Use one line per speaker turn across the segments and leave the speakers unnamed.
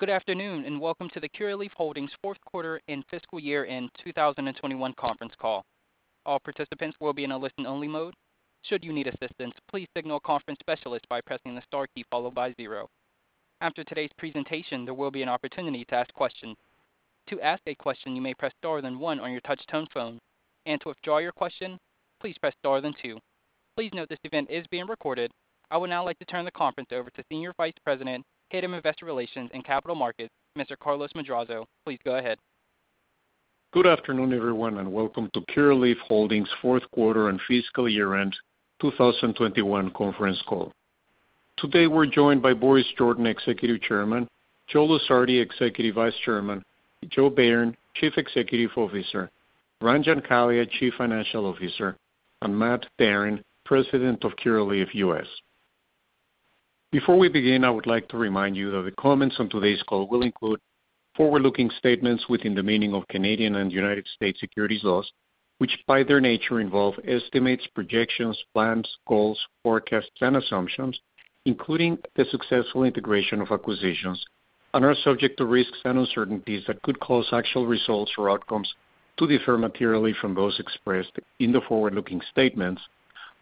Good afternoon, and welcome to the Curaleaf Holdings fourth quarter and fiscal year 2021 conference call. All participants will be in a listen-only mode. Should you need assistance, please signal a conference specialist by pressing the star key followed by zero. After today's presentation, there will be an opportunity to ask questions. To ask a question, you may press star then one on your touch-tone phone. To withdraw your question, please press star then two. Please note this event is being recorded. I would now like to turn the conference over to Senior Vice President, Head of Investor Relations and Capital Markets, Mr. Carlos Madrazo. Please go ahead.
Good afternoon, everyone, and welcome to Curaleaf Holdings fourth quarter and fiscal year-end 2021 conference call. Today, we're joined by Boris Jordan, Executive Chairman, Joseph Lusardi, Executive Vice Chairman, Joe Bayern, Chief Executive Officer, Ranjan Kalia, Chief Financial Officer, and Matt Darin, President of Curaleaf U.S. Before we begin, I would like to remind you that the comments on today's call will include forward-looking statements within the meaning of Canadian and United States securities laws, which by their nature involve estimates, projections, plans, goals, forecasts, and assumptions, including the successful integration of acquisitions and are subject to risks and uncertainties that could cause actual results or outcomes to differ materially from those expressed in the forward-looking statements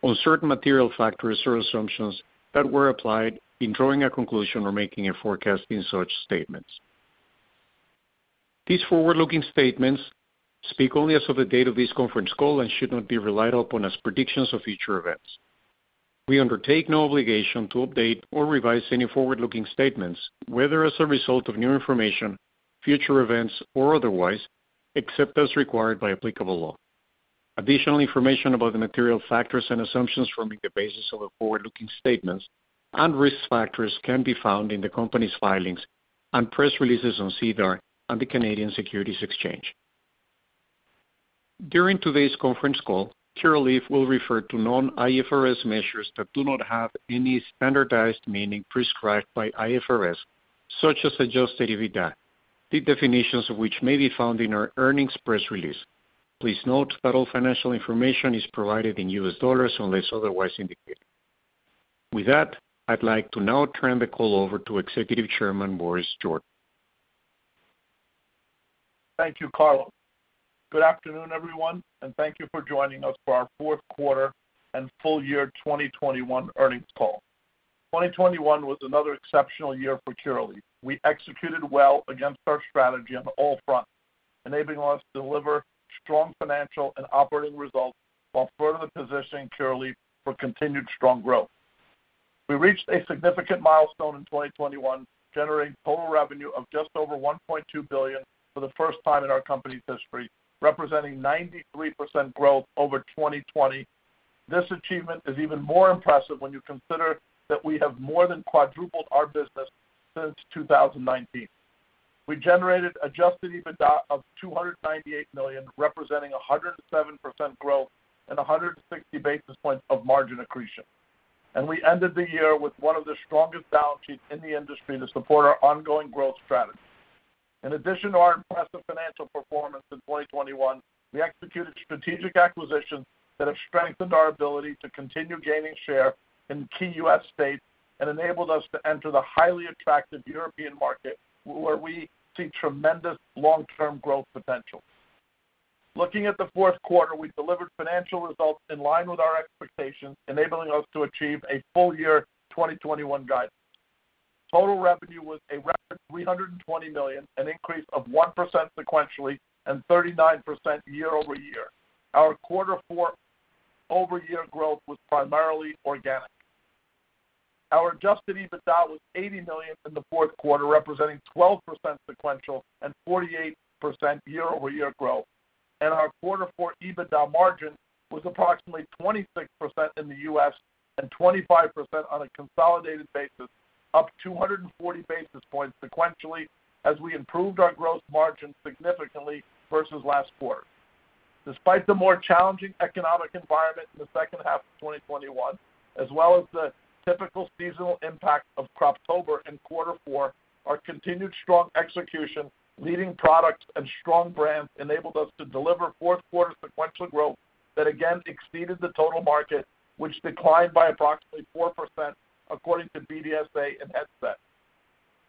on certain material factors or assumptions that were applied in drawing a conclusion or making a forecast in such statements. These forward-looking statements speak only as of the date of this conference call and should not be relied upon as predictions of future events. We undertake no obligation to update or revise any forward-looking statements, whether as a result of new information, future events, or otherwise, except as required by applicable law. Additional information about the material factors and assumptions forming the basis of the forward-looking statements and risk factors can be found in the company's filings and press releases on SEDAR on the Canadian Securities Exchange. During today's conference call, Curaleaf will refer to non-IFRS measures that do not have any standardized meaning prescribed by IFRS, such as adjusted EBITDA. The definitions of which may be found in our earnings press release. Please note that all financial information is provided in U.S. dollars unless otherwise indicated. With that, I'd like to now turn the call over to Executive Chairman, Boris Jordan.
Thank you, Carlos. Good afternoon, everyone, and thank you for joining us for our fourth quarter and full year 2021 earnings call. 2021 was another exceptional year for Curaleaf. We executed well against our strategy on all fronts, enabling us to deliver strong financial and operating results while further positioning Curaleaf for continued strong growth. We reached a significant milestone in 2021, generating total revenue of just over $1.2 billion for the first time in our company's history, representing 93% growth over 2020. This achievement is even more impressive when you consider that we have more than quadrupled our business since 2019. We generated adjusted EBITDA of $298 million, representing 107% growth and 160 basis points of margin accretion. We ended the year with one of the strongest balance sheets in the industry to support our ongoing growth strategy. In addition to our impressive financial performance in 2021, we executed strategic acquisitions that have strengthened our ability to continue gaining share in key U.S. states and enabled us to enter the highly attractive European market, where we see tremendous long-term growth potential. Looking at the fourth quarter, we delivered financial results in line with our expectations, enabling us to achieve a full-year 2021 guidance. Total revenue was a record $320 million, an increase of 1% sequentially and 39% year-over-year. Our Q4 year-over-year growth was primarily organic. Our adjusted EBITDA was $80 million in the fourth quarter, representing 12% sequential and 48% year-over-year growth. Our quarter four EBITDA margin was approximately 26% in the U.S. and 25% on a consolidated basis, up 240 basis points sequentially as we improved our gross margin significantly versus last quarter. Despite the more challenging economic environment in the second half of 2021, as well as the typical seasonal impact of Croptober in quarter four, our continued strong execution, leading products, and strong brands enabled us to deliver fourth quarter sequential growth that again exceeded the total market, which declined by approximately 4% according to BDSA and Headset.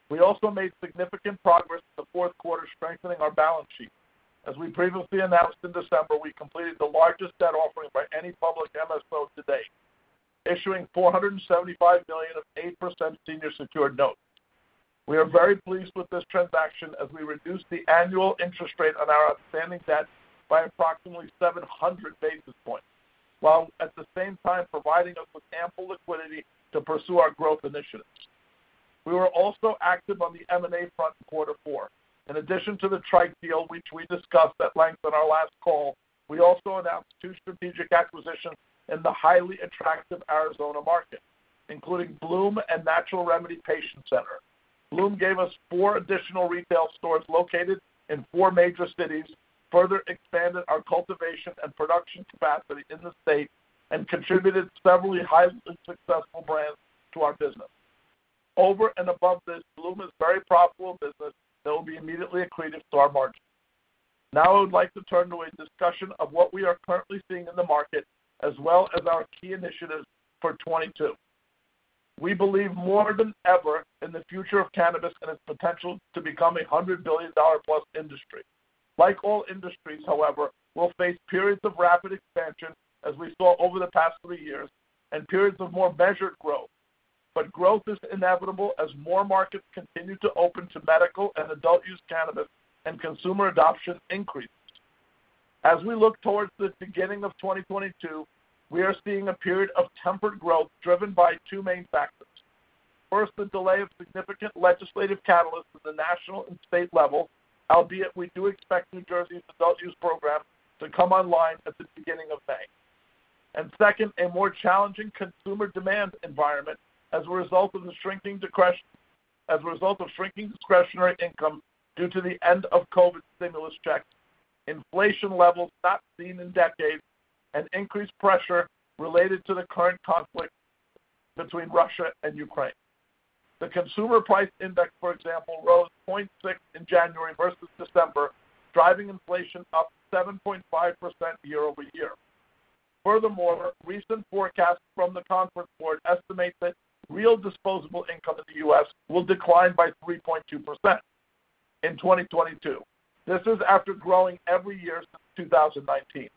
We also made significant progress in the fourth quarter strengthening our balance sheet. As we previously announced in December, we completed the largest debt offering by any public MSO to date, issuing $475 million of 8% senior secured notes. We are very pleased with this transaction as we reduce the annual interest rate on our outstanding debt by approximately 700 basis points, while at the same time providing us with ample liquidity to pursue our growth initiatives. We were also active on the M&A front in quarter four. In addition to the Tryke deal, which we discussed at length on our last call, we also announced two strategic acquisitions in the highly attractive Arizona market, including Bloom and Natural Remedy Patient Center. Bloom gave us 4 additional retail stores located in 4 major cities, further expanded our cultivation and production capacity in the state, and contributed several highly successful brands to our business. Over and above this, Bloom is a very profitable business that will be immediately accretive to our margins. Now I would like to turn to a discussion of what we are currently seeing in the market, as well as our key initiatives for 2022. We believe more than ever in the future of cannabis and its potential to become a $100 billion+ industry. Like all industries, however, we'll face periods of rapid expansion as we saw over the past 3 years and periods of more measured growth. Growth is inevitable as more markets continue to open to medical and adult use cannabis and consumer adoption increases. As we look towards the beginning of 2022, we are seeing a period of tempered growth driven by two main factors. First, the delay of significant legislative catalysts at the national and state level, albeit we do expect New Jersey's adult use program to come online at the beginning of May. Second, a more challenging consumer demand environment as a result of shrinking discretionary income due to the end of COVID stimulus checks, inflation levels not seen in decades, and increased pressure related to the current conflict between Russia and Ukraine. The Consumer Price Index, for example, rose 0.6 in January versus December, driving inflation up 7.5% year-over-year. Furthermore, recent forecasts from the Conference Board estimate that real disposable income in the U.S. will decline by 3.2% in 2022. This is after growing every year since 2019.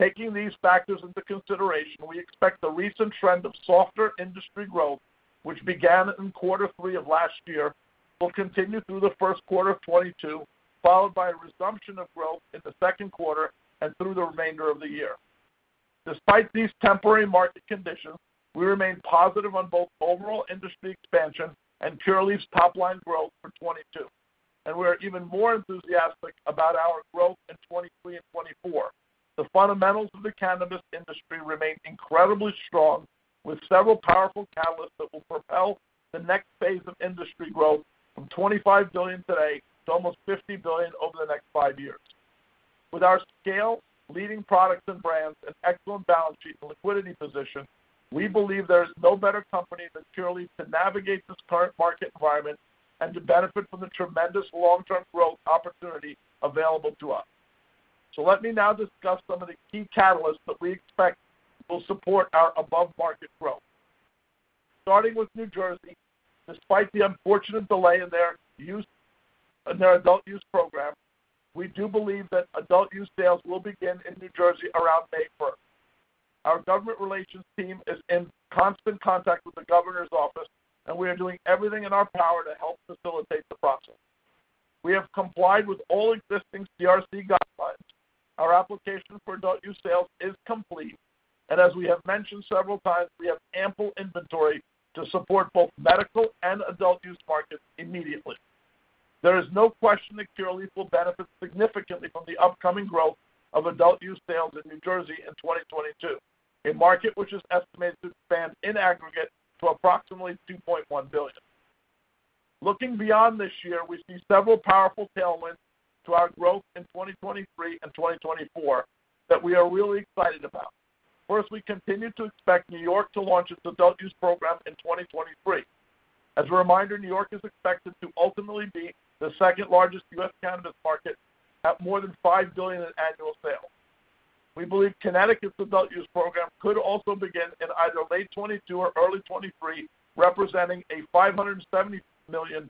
Taking these factors into consideration, we expect the recent trend of softer industry growth, which began in quarter three of last year, will continue through the first quarter of 2022, followed by a resumption of growth in the second quarter and through the remainder of the year. Despite these temporary market conditions, we remain positive on both overall industry expansion and Curaleaf's top line growth for 2022, and we are even more enthusiastic about our growth in 2023 and 2024. The fundamentals of the cannabis industry remain incredibly strong, with several powerful catalysts that will propel the next phase of industry growth from $25 billion today to almost $50 billion over the next five years. With our scale, leading products and brands, and excellent balance sheet and liquidity position, we believe there is no better company than Curaleaf to navigate this current market environment and to benefit from the tremendous long-term growth opportunity available to us. Let me now discuss some of the key catalysts that we expect will support our above-market growth. Starting with New Jersey, despite the unfortunate delay in their adult use program, we do believe that adult use sales will begin in New Jersey around May first. Our government relations team is in constant contact with the Governor's office, and we are doing everything in our power to help facilitate the process. We have complied with all existing CRC guidelines. Our application for adult use sales is complete, and as we have mentioned several times, we have ample inventory to support both medical and adult use markets immediately. There is no question that Curaleaf will benefit significantly from the upcoming growth of adult use sales in New Jersey in 2022, a market which is estimated to expand in aggregate to approximately $2.1 billion. Looking beyond this year, we see several powerful tailwinds to our growth in 2023 and 2024 that we are really excited about. First, we continue to expect New York to launch its adult use program in 2023. As a reminder, New York is expected to ultimately be the second largest U.S. cannabis market at more than $5 billion in annual sales. We believe Connecticut's adult use program could also begin in either late 2022 or early 2023, representing a $570 million+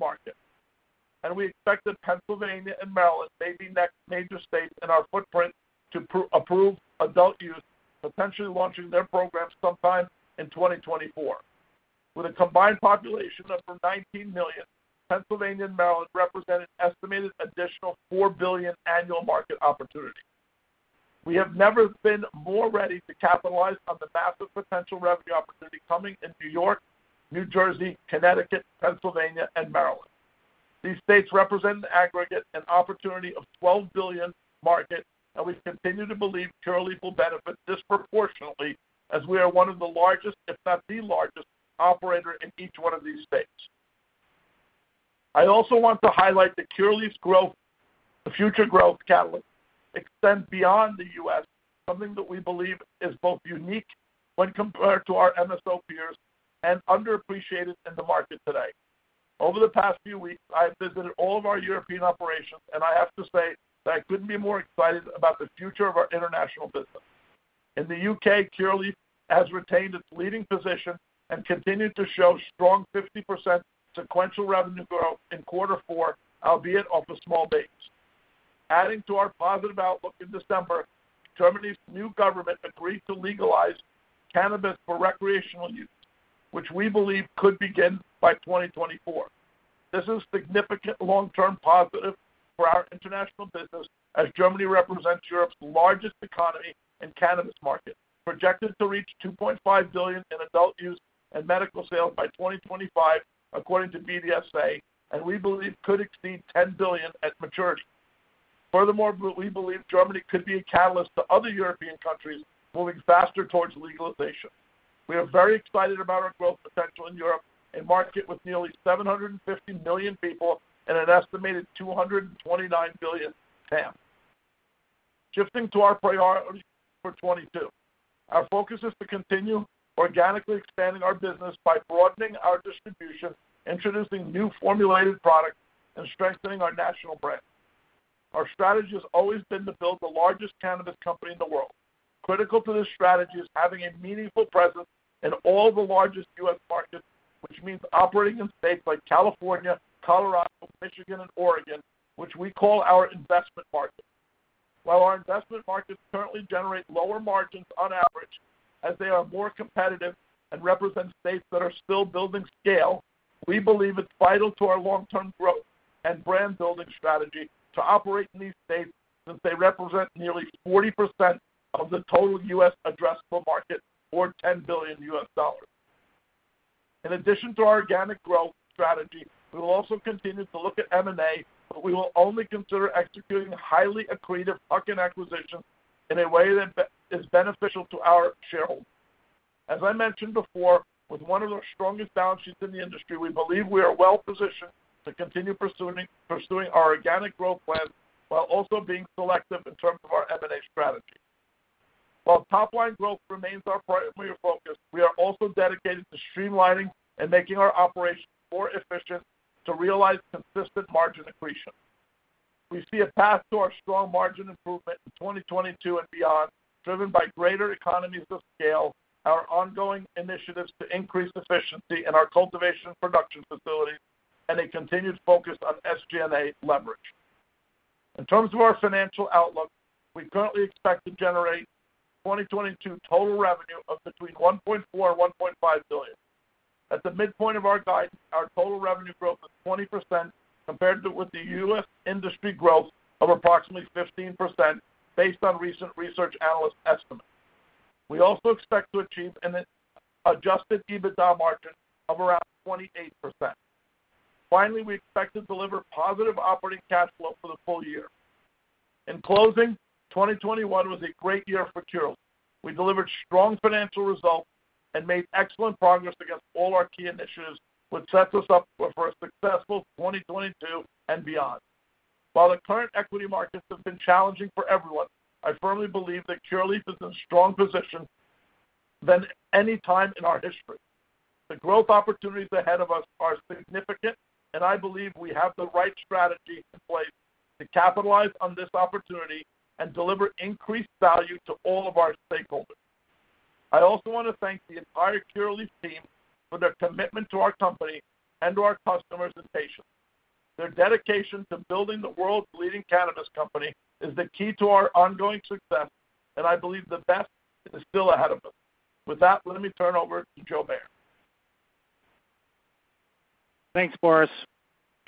market. We expect that Pennsylvania and Maryland may be next major states in our footprint to approve adult use, potentially launching their programs sometime in 2024. With a combined population of over 19 million, Pennsylvania and Maryland represent an estimated additional $4 billion annual market opportunity. We have never been more ready to capitalize on the massive potential revenue opportunity coming in New York, New Jersey, Connecticut, Pennsylvania, and Maryland. These states represent in aggregate an opportunity of $12 billion market, and we continue to believe Curaleaf will benefit disproportionately as we are one of the largest, if not the largest, operator in each one of these states. I also want to highlight that Curaleaf's growth, future growth catalyst, extends beyond the U.S., something that we believe is both unique when compared to our MSO peers and underappreciated in the market today. Over the past few weeks, I have visited all of our European operations, and I have to say that I couldn't be more excited about the future of our international business. In the U.K., Curaleaf has retained its leading position and continued to show strong 50% sequential revenue growth in quarter four, albeit off a small base. Adding to our positive outlook in December, Germany's new government agreed to legalize cannabis for recreational use, which we believe could begin by 2024. This is a significant long-term positive for our international business as Germany represents Europe's largest economy and cannabis market, projected to reach $2.5 billion in adult use and medical sales by 2025 according to BDSA, and we believe could exceed $10 billion at maturity. Furthermore, we believe Germany could be a catalyst to other European countries moving faster towards legalization. We are very excited about our growth potential in Europe, a market with nearly 750 million people and an estimated $229 billion TAM. Shifting to our priorities for 2022. Our focus is to continue organically expanding our business by broadening our distribution, introducing new formulated products, and strengthening our national brand. Our strategy has always been to build the largest cannabis company in the world. Critical to this strategy is having a meaningful presence in all the largest U.S. markets, which means operating in states like California, Colorado, Michigan, and Oregon, which we call our investment markets. While our investment markets currently generate lower margins on average as they are more competitive and represent states that are still building scale, we believe it's vital to our long-term growth and brand-building strategy to operate in these states since they represent nearly 40% of the total U.S. addressable market or $10 billion. In addition to our organic growth strategy, we will also continue to look at M&A, but we will only consider executing highly accretive acquisition in a way that is beneficial to our shareholders. As I mentioned before, with one of the strongest balance sheets in the industry, we believe we are well-positioned to continue pursuing our organic growth plans while also being selective in terms of our M&A strategy. While top-line growth remains our primary focus, we are also dedicated to streamlining and making our operations more efficient to realize consistent margin accretion. We see a path to our strong margin improvement in 2022 and beyond, driven by greater economies of scale, our ongoing initiatives to increase efficiency in our cultivation and production facilities, and a continued focus on SG&A leverage. In terms of our financial outlook, we currently expect to generate 2022 total revenue of between $1.4 billion-$1.5 billion. At the midpoint of our guidance, our total revenue growth of 20% compared with the U.S. industry growth of approximately 15% based on recent research analyst estimates. We also expect to achieve an adjusted EBITDA margin of around 28%. Finally, we expect to deliver positive operating cash flow for the full year. In closing, 2021 was a great year for Curaleaf. We delivered strong financial results and made excellent progress against all our key initiatives, which sets us up for a successful 2022 and beyond. While the current equity markets have been challenging for everyone, I firmly believe that Curaleaf is in a stronger position than any time in our history. The growth opportunities ahead of us are significant, and I believe we have the right strategy in place to capitalize on this opportunity and deliver increased value to all of our stakeholders. I also wanna thank the entire Curaleaf team for their commitment to our company and to our customers and patients. Their dedication to building the world's leading cannabis company is the key to our ongoing success, and I believe the best is still ahead of us. With that, let me turn over to Joe Bayern.
Thanks, Boris.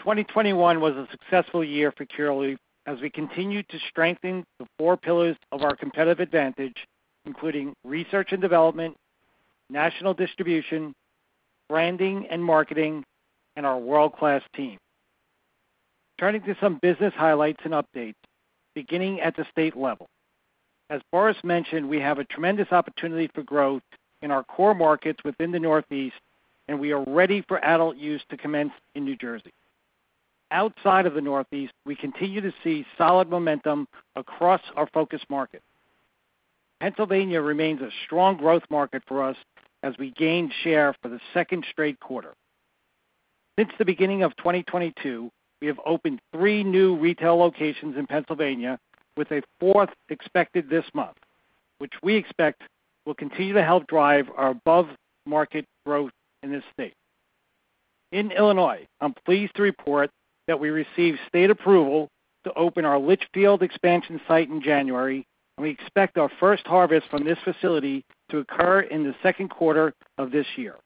2021 was a successful year for Curaleaf as we continued to strengthen the four pillars of our competitive advantage, including research and development, national distribution, branding and marketing, and our world-class team. Turning to some business highlights and updates, beginning at the state level. As Boris mentioned, we have a tremendous opportunity for growth in our core markets within the Northeast, and we are ready for adult use to commence in New Jersey. Outside of the Northeast, we continue to see solid momentum across our focus market. Pennsylvania remains a strong growth market for us as we gain share for the second straight quarter. Since the beginning of 2022, we have opened three new retail locations in Pennsylvania with a fourth expected this month, which we expect will continue to help drive our above-market growth in this state. In Illinois, I'm pleased to report that we received state approval to open our Litchfield expansion site in January, and we expect our first harvest from this facility to occur in the second quarter of this year.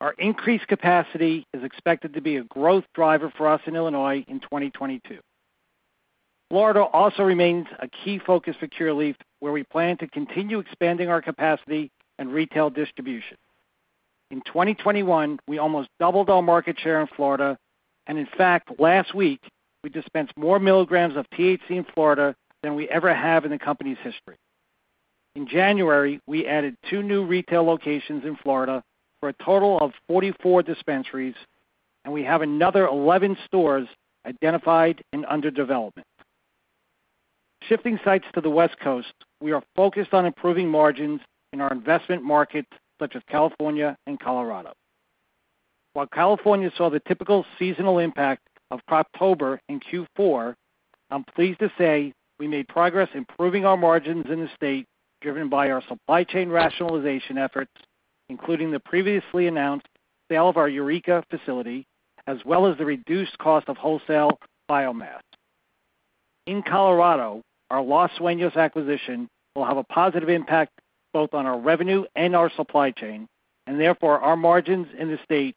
Our increased capacity is expected to be a growth driver for us in Illinois in 2022. Florida also remains a key focus for Curaleaf, where we plan to continue expanding our capacity and retail distribution. In 2021, we almost doubled our market share in Florida, and in fact, last week, we dispensed more milligrams of THC in Florida than we ever have in the company's history. In January, we added 2 new retail locations in Florida for a total of 44 dispensaries, and we have another 11 stores identified and under development. Shifting sites to the West Coast, we are focused on improving margins in our investment markets such as California and Colorado. While California saw the typical seasonal impact of Croptober in Q4, I'm pleased to say we made progress improving our margins in the state, driven by our supply chain rationalization efforts, including the previously announced sale of our Eureka facility, as well as the reduced cost of wholesale biomass. In Colorado, our Los Sueños acquisition will have a positive impact both on our revenue and our supply chain, and therefore, our margins in the state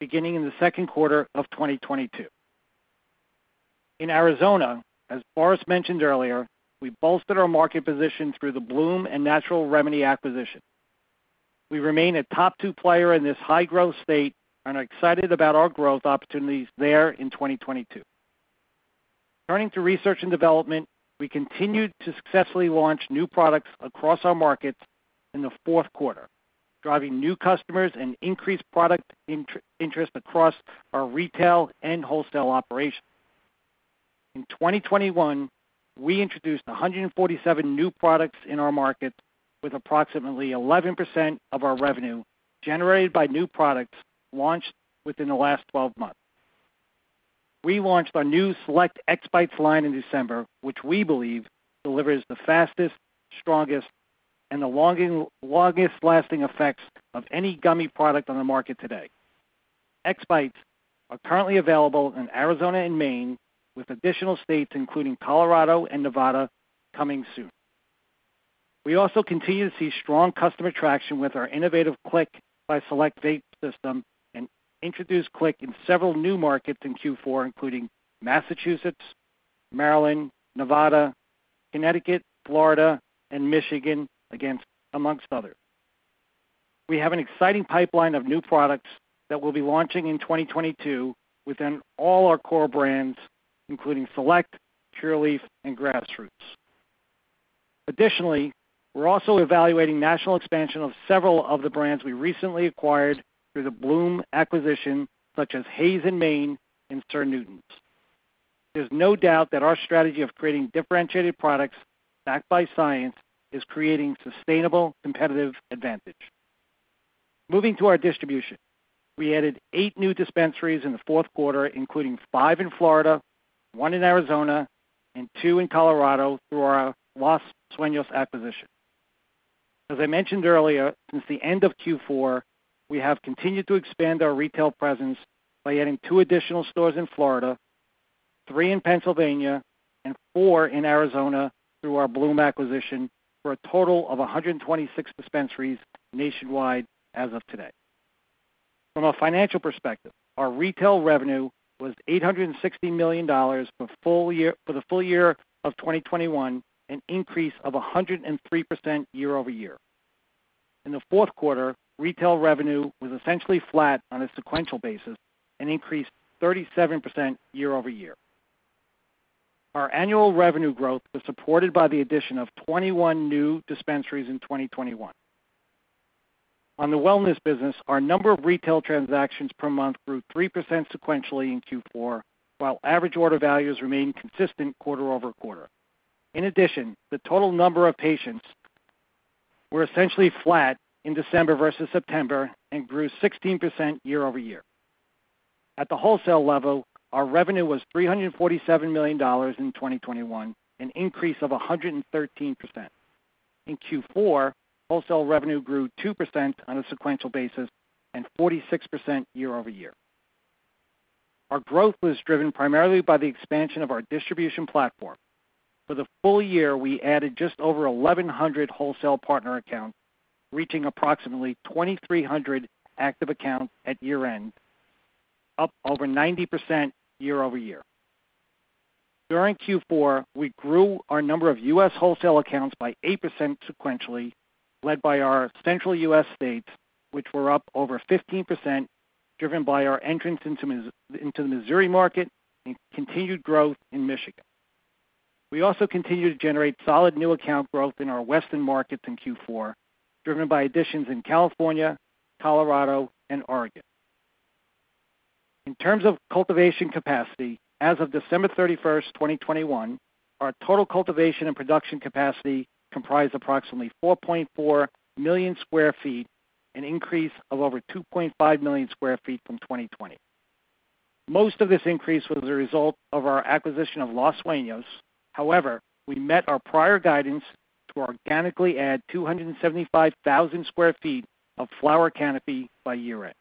beginning in the second quarter of 2022. In Arizona, as Boris mentioned earlier, we bolstered our market position through the Bloom and Natural Remedy acquisition. We remain a top two player in this high-growth state and are excited about our growth opportunities there in 2022. Turning to research and development, we continued to successfully launch new products across our markets in the fourth quarter, driving new customers and increased product interest across our retail and wholesale operations. In 2021, we introduced 147 new products in our market with approximately 11% of our revenue generated by new products launched within the last 12 months. We launched our new Select X Bites line in December, which we believe delivers the fastest, strongest, and longest lasting effects of any gummy product on the market today. X-Bites are currently available in Arizona and Maine, with additional states, including Colorado and Nevada, coming soon. We also continue to see strong customer traction with our innovative Cliq by Select vape system and introduce Cliq in several new markets in Q4, including Massachusetts, Maryland, Nevada, Connecticut, Florida, and Michigan amongst others. We have an exciting pipeline of new products that we'll be launching in 2022 within all our core brands, including Select, Curaleaf, and Grassroots. Additionally, we're also evaluating national expansion of several of the brands we recently acquired through the Bloom acquisition, such as Haze & Main and Sir Newton's. There's no doubt that our strategy of creating differentiated products backed by science is creating sustainable competitive advantage. Moving to our distribution. We added eight new dispensaries in the fourth quarter, including five in Florida, one in Arizona, and two in Colorado through our Los Sueños acquisition. As I mentioned earlier, since the end of Q4, we have continued to expand our retail presence by adding two additional stores in Florida, three in Pennsylvania, and four in Arizona through our Bloom acquisition for a total of 126 dispensaries nationwide as of today. From a financial perspective, our retail revenue was $860 million for the full year of 2021, an increase of 103% year-over-year. In the fourth quarter, retail revenue was essentially flat on a sequential basis and increased 37% year-over-year. Our annual revenue growth was supported by the addition of 21 new dispensaries in 2021. On the wellness business, our number of retail transactions per month grew 3% sequentially in Q4, while average order values remained consistent quarter-over-quarter. In addition, the total number of patients were essentially flat in December versus September and grew 16% year-over-year. At the wholesale level, our revenue was $347 million in 2021, an increase of 113%. In Q4, wholesale revenue grew 2% on a sequential basis and 46% year-over-year. Our growth was driven primarily by the expansion of our distribution platform. For the full year, we added just over 1,100 wholesale partner accounts, reaching approximately 2,300 active accounts at year-end, up over 90% year-over-year. During Q4, we grew our number of U.S. wholesale accounts by 8% sequentially, led by our central U.S. states, which were up over 15%, driven by our entrance into the Missouri market and continued growth in Michigan. We also continued to generate solid new account growth in our Western markets in Q4, driven by additions in California, Colorado, and Oregon. In terms of cultivation capacity, as of December 31, 2021, our total cultivation and production capacity comprised approximately 4.4 million sq ft, an increase of over 2.5 million sq ft from 2020. Most of this increase was a result of our acquisition of Los Sueños. However, we met our prior guidance to organically add 275,000 sq ft of flower canopy by year-end.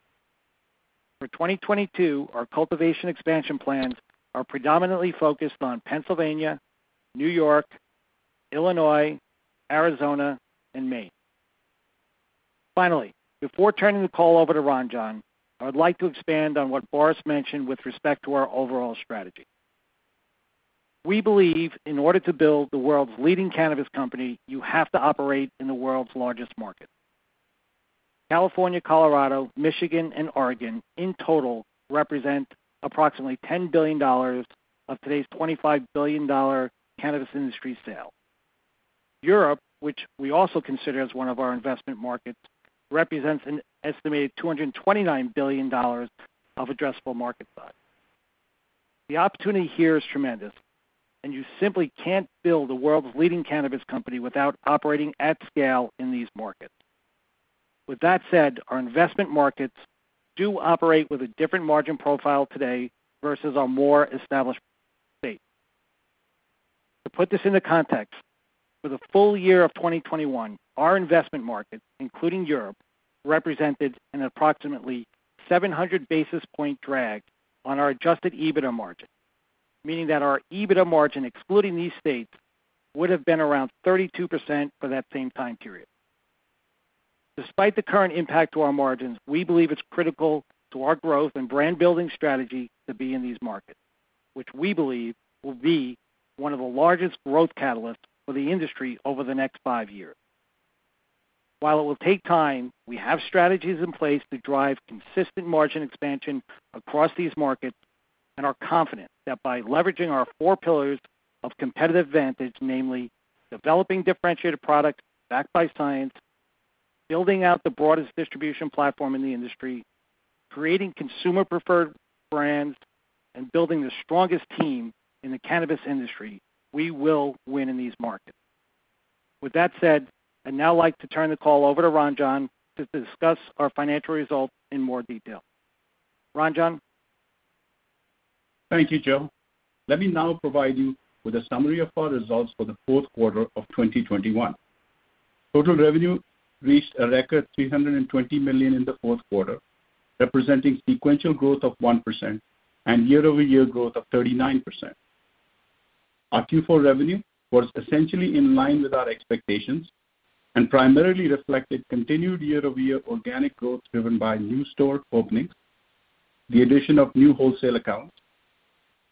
For 2022, our cultivation expansion plans are predominantly focused on Pennsylvania, New York, Illinois, Arizona, and Maine. Finally, before turning the call over to Ranjan Kalia, I would like to expand on what Boris mentioned with respect to our overall strategy. We believe in order to build the world's leading cannabis company, you have to operate in the world's largest market. California, Colorado, Michigan, and Oregon in total represent approximately $10 billion of today's $25 billion cannabis industry sale. Europe, which we also consider as one of our investment markets, represents an estimated $229 billion of addressable market size. The opportunity here is tremendous, and you simply can't build the world's leading cannabis company without operating at scale in these markets. With that said, our investment markets do operate with a different margin profile today versus our more established state. To put this into context, for the full year of 2021, our investment markets, including Europe, represented an approximately 700 basis point drag on our adjusted EBITDA margin, meaning that our EBITDA margin excluding these states would have been around 32% for that same time period. Despite the current impact to our margins, we believe it's critical to our growth and brand-building strategy to be in these markets, which we believe will be one of the largest growth catalysts for the industry over the next five years. While it will take time, we have strategies in place to drive consistent margin expansion across these markets, and are confident that by leveraging our four pillars of competitive advantage, namely developing differentiated product backed by science, building out the broadest distribution platform in the industry, creating consumer preferred brands, and building the strongest team in the cannabis industry, we will win in these markets. With that said, I'd now like to turn the call over to Ranjan to discuss our financial results in more detail. Ranjan?
Thank you, Joe. Let me now provide you with a summary of our results for the fourth quarter of 2021. Total revenue reached a record $320 million in the fourth quarter, representing sequential growth of 1% and year-over-year growth of 39%. Our Q4 revenue was essentially in line with our expectations and primarily reflected continued year-over-year organic growth driven by new store openings, the addition of new wholesale accounts,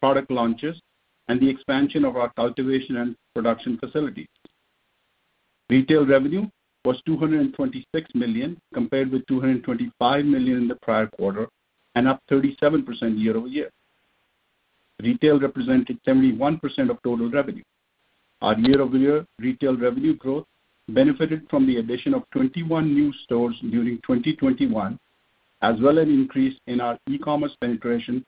product launches, and the expansion of our cultivation and production facilities. Retail revenue was $226 million, compared with $225 million in the prior quarter and up 37% year-over-year. Retail represented 71% of total revenue. Our year-over-year retail revenue growth benefited from the addition of 21 new stores during 2021, as well as increase in our e-commerce penetration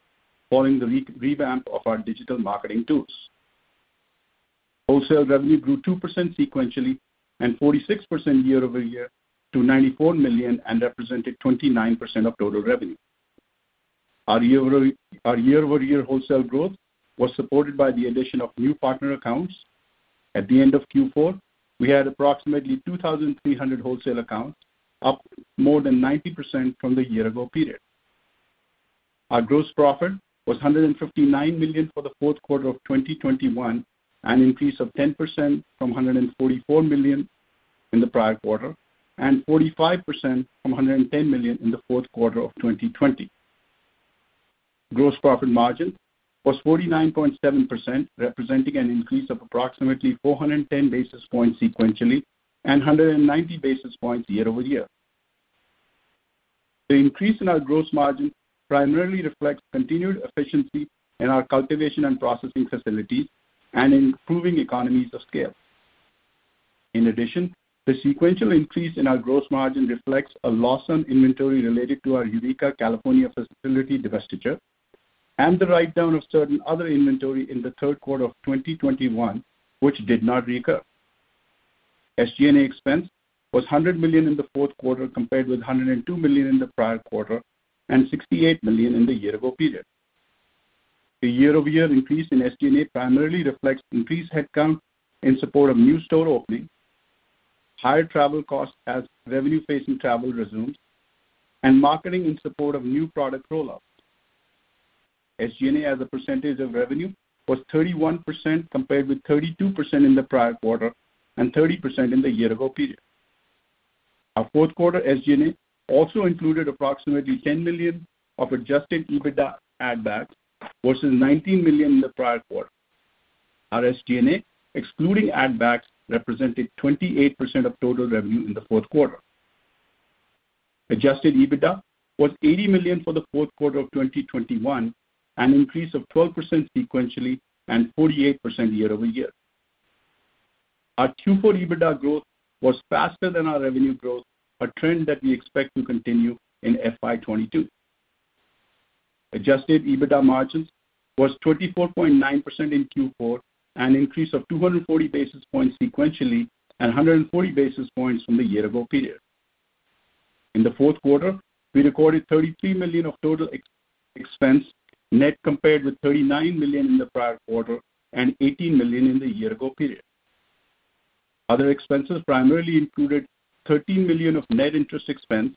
following the re-revamp of our digital marketing tools. Wholesale revenue grew 2% sequentially and 46% year-over-year to $90 million and represented 29% of total revenue. Our year-over-year wholesale growth was supported by the addition of new partner accounts. At the end of Q4, we had approximately 2,300 wholesale accounts, up more than 90% from the year ago period. Our gross profit was $159 million for the fourth quarter of 2021, an increase of 10% from $144 million in the prior quarter, and 45% from $110 million in the fourth quarter of 2020. Gross profit margin was 49.7%, representing an increase of approximately 410 basis points sequentially and 190 basis points year-over-year. The increase in our gross margin primarily reflects continued efficiency in our cultivation and processing facilities and improving economies of scale. In addition, the sequential increase in our gross margin reflects a loss on inventory related to our Eureka, California facility divestiture and the write-down of certain other inventory in the third quarter of 2021, which did not recur. SG&A expense was $100 million in the fourth quarter, compared with $102 million in the prior quarter and $68 million in the year ago period. The year-over-year increase in SG&A primarily reflects increased headcount in support of new store openings, higher travel costs as revenue-facing travel resumes, and marketing in support of new product rollouts. SG&A, as a percentage of revenue, was 31%, compared with 32% in the prior quarter and 30% in the year ago period. Our fourth quarter SG&A also included approximately $10 million of adjusted EBITDA add backs versus $19 million in the prior quarter. Our SG&A, excluding add backs, represented 28% of total revenue in the fourth quarter. Adjusted EBITDA was $80 million for the fourth quarter of 2021, an increase of 12% sequentially and 48% year over year. Our Q4 EBITDA growth was faster than our revenue growth, a trend that we expect to continue in FY 2022. Adjusted EBITDA margins was 24.9% in Q4, an increase of 240 basis points sequentially and 140 basis points from the year ago period. In the fourth quarter, we recorded $33 million of total expense net, compared with $39 million in the prior quarter and $18 million in the year ago period. Other expenses primarily included $13 million of net interest expense,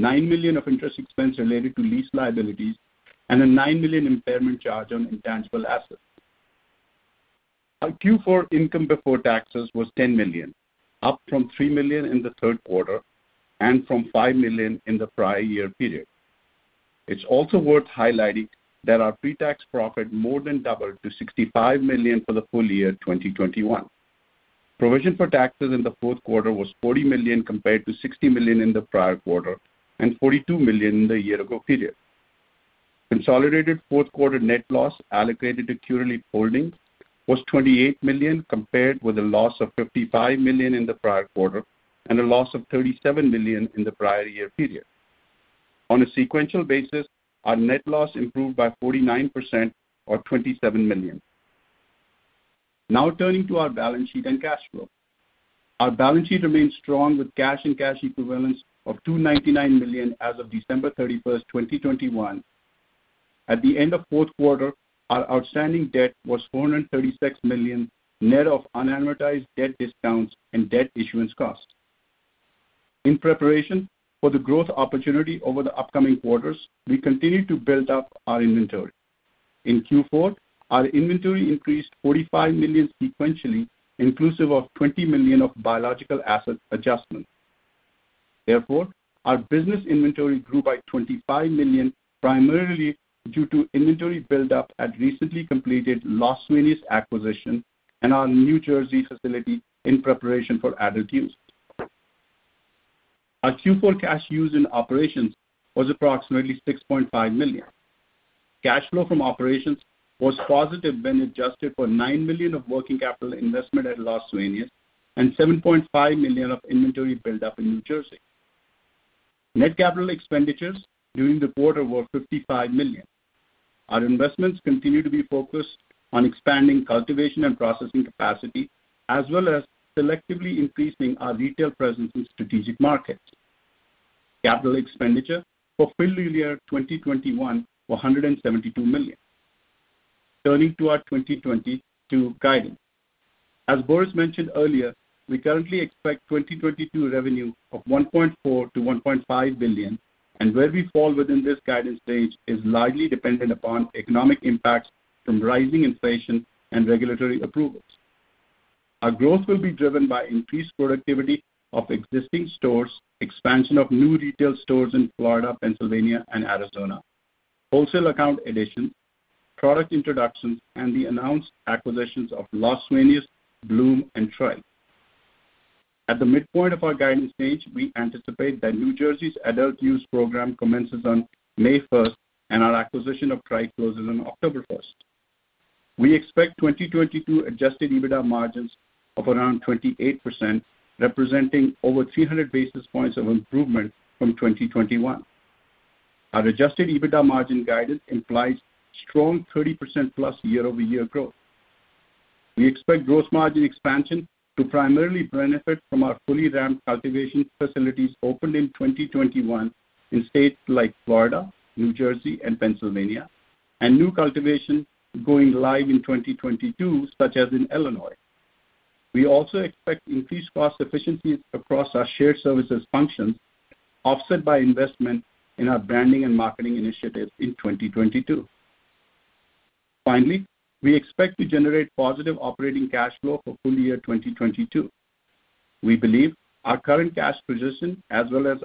$9 million of interest expense related to lease liabilities, and a $9 million impairment charge on intangible assets. Our Q4 income before taxes was $10 million, up from $3 million in the third quarter and from $5 million in the prior year period. It's also worth highlighting that our pre-tax profit more than doubled to $65 million for the full year 2021. Provision for taxes in the fourth quarter was $40 million, compared to $60 million in the prior quarter and $42 million in the year ago period. Consolidated fourth quarter net loss allocated to Curaleaf Holdings was $28 million, compared with a loss of $55 million in the prior quarter and a loss of $37 million in the prior year period. On a sequential basis, our net loss improved by 49% or $27 million. Now turning to our balance sheet and cash flow. Our balance sheet remains strong with cash and cash equivalents of $299 million as of December 31, 2021. At the end of fourth quarter, our outstanding debt was $436 million, net of unamortized debt discounts and debt issuance costs. In preparation for the growth opportunity over the upcoming quarters, we continue to build up our inventory. In Q4, our inventory increased $45 million sequentially, inclusive of $20 million of biological asset adjustments. Therefore, our business inventory grew by $25 million, primarily due to inventory build-up at recently completed Los Sueños acquisition and our New Jersey facility in preparation for adult use. Our Q4 cash used in operations was approximately $6.5 million. Cash flow from operations was positive when adjusted for $9 million of working capital investment at Los Sueños and $7.5 million of inventory build-up in New Jersey. Net CapEx during the quarter was $55 million. Our investments continue to be focused on expanding cultivation and processing capacity, as well as selectively increasing our retail presence in strategic markets. CapEx for full year 2021 were $172 million. Turning to our 2022 guidance. As Boris mentioned earlier, we currently expect 2022 revenue of $1.4 billion-$1.5 billion, and where we fall within this guidance range is largely dependent upon economic impacts from rising inflation and regulatory approvals. Our growth will be driven by increased productivity of existing stores, expansion of new retail stores in Florida, Pennsylvania and Arizona, wholesale account additions, product introductions, and the announced acquisitions of Los Sueños, Bloom, and Tryke. At the midpoint of our guidance range, we anticipate that New Jersey's adult use program commences on May first, and our acquisition of Tryke closes on October first. We expect 2022 adjusted EBITDA margins of around 28%, representing over 300 basis points of improvement from 2021. Our adjusted EBITDA margin guidance implies strong 30%+ year-over-year growth. We expect gross margin expansion to primarily benefit from our fully ramped cultivation facilities opened in 2021 in states like Florida, New Jersey, and Pennsylvania, and new cultivation going live in 2022, such as in Illinois. We expect increased cost efficiencies across our shared services functions, offset by investment in our branding and marketing initiatives in 2022. Finally, we expect to generate positive operating cash flow for full year 2022. We believe our current cash position as well as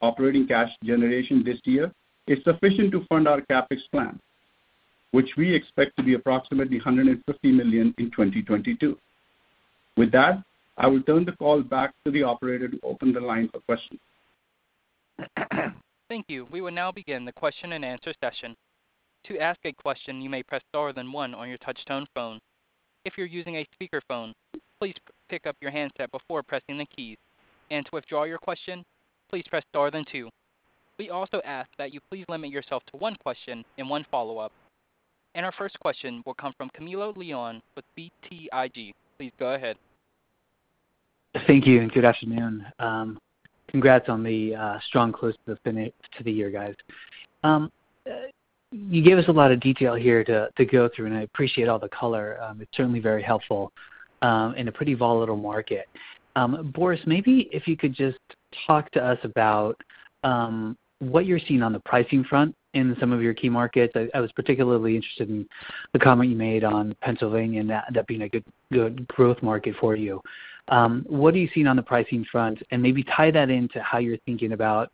operating cash generation this year is sufficient to fund our CapEx plan, which we expect to be approximately $150 million in 2022. With that, I will turn the call back to the operator to open the line for questions.
Thank you. We will now begin the question and answer session. To ask a question, you may press star then one on your touch tone phone. If you're using a speakerphone, please pick up your handset before pressing the keys. To withdraw your question, please press star then two. We also ask that you please limit yourself to one question and one follow-up. Our first question will come from Camilo Lyon with BTIG. Please go ahead.
Thank you and good afternoon. Congrats on the strong close to the year, guys. You gave us a lot of detail here to go through, and I appreciate all the color. It's certainly very helpful in a pretty volatile market. Boris, maybe if you could just talk to us about what you're seeing on the pricing front in some of your key markets. I was particularly interested in the comment you made on Pennsylvania and that being a good growth market for you. What are you seeing on the pricing front? Maybe tie that into how you're thinking about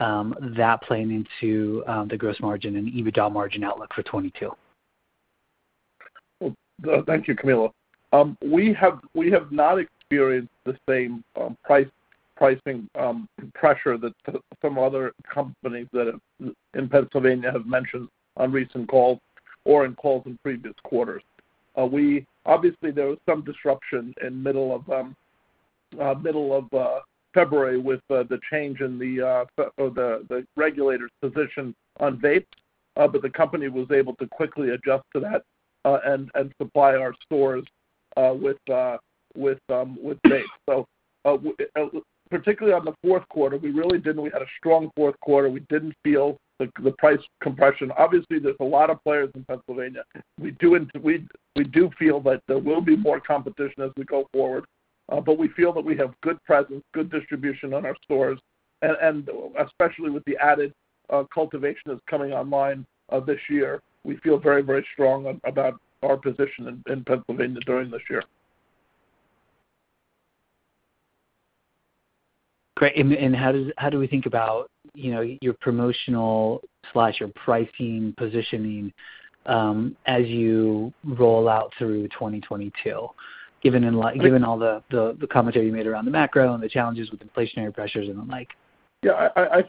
that playing into the gross margin and EBITDA margin outlook for 2022.
Well, thank you, Camilo. We have not experienced the same pricing pressure that some other companies in Pennsylvania have mentioned on recent calls or on calls in previous quarters. Obviously, there was some disruption in the middle of February with the change in the regulator's position on vapes, but the company was able to quickly adjust to that and supply our stores with vapes. Particularly in the fourth quarter, we really didn't. We had a strong fourth quarter. We didn't feel the price compression. Obviously, there's a lot of players in Pennsylvania. We do feel that there will be more competition as we go forward, but we feel that we have good presence, good distribution on our stores, and especially with the added cultivation that's coming online this year. We feel very, very strong about our position in Pennsylvania during this year.
Great. How do we think about, you know, your promotional/your pricing positioning, as you roll out through 2022, given all the commentary you made around the macro and the challenges with inflationary pressures and the like?
Yeah, that's,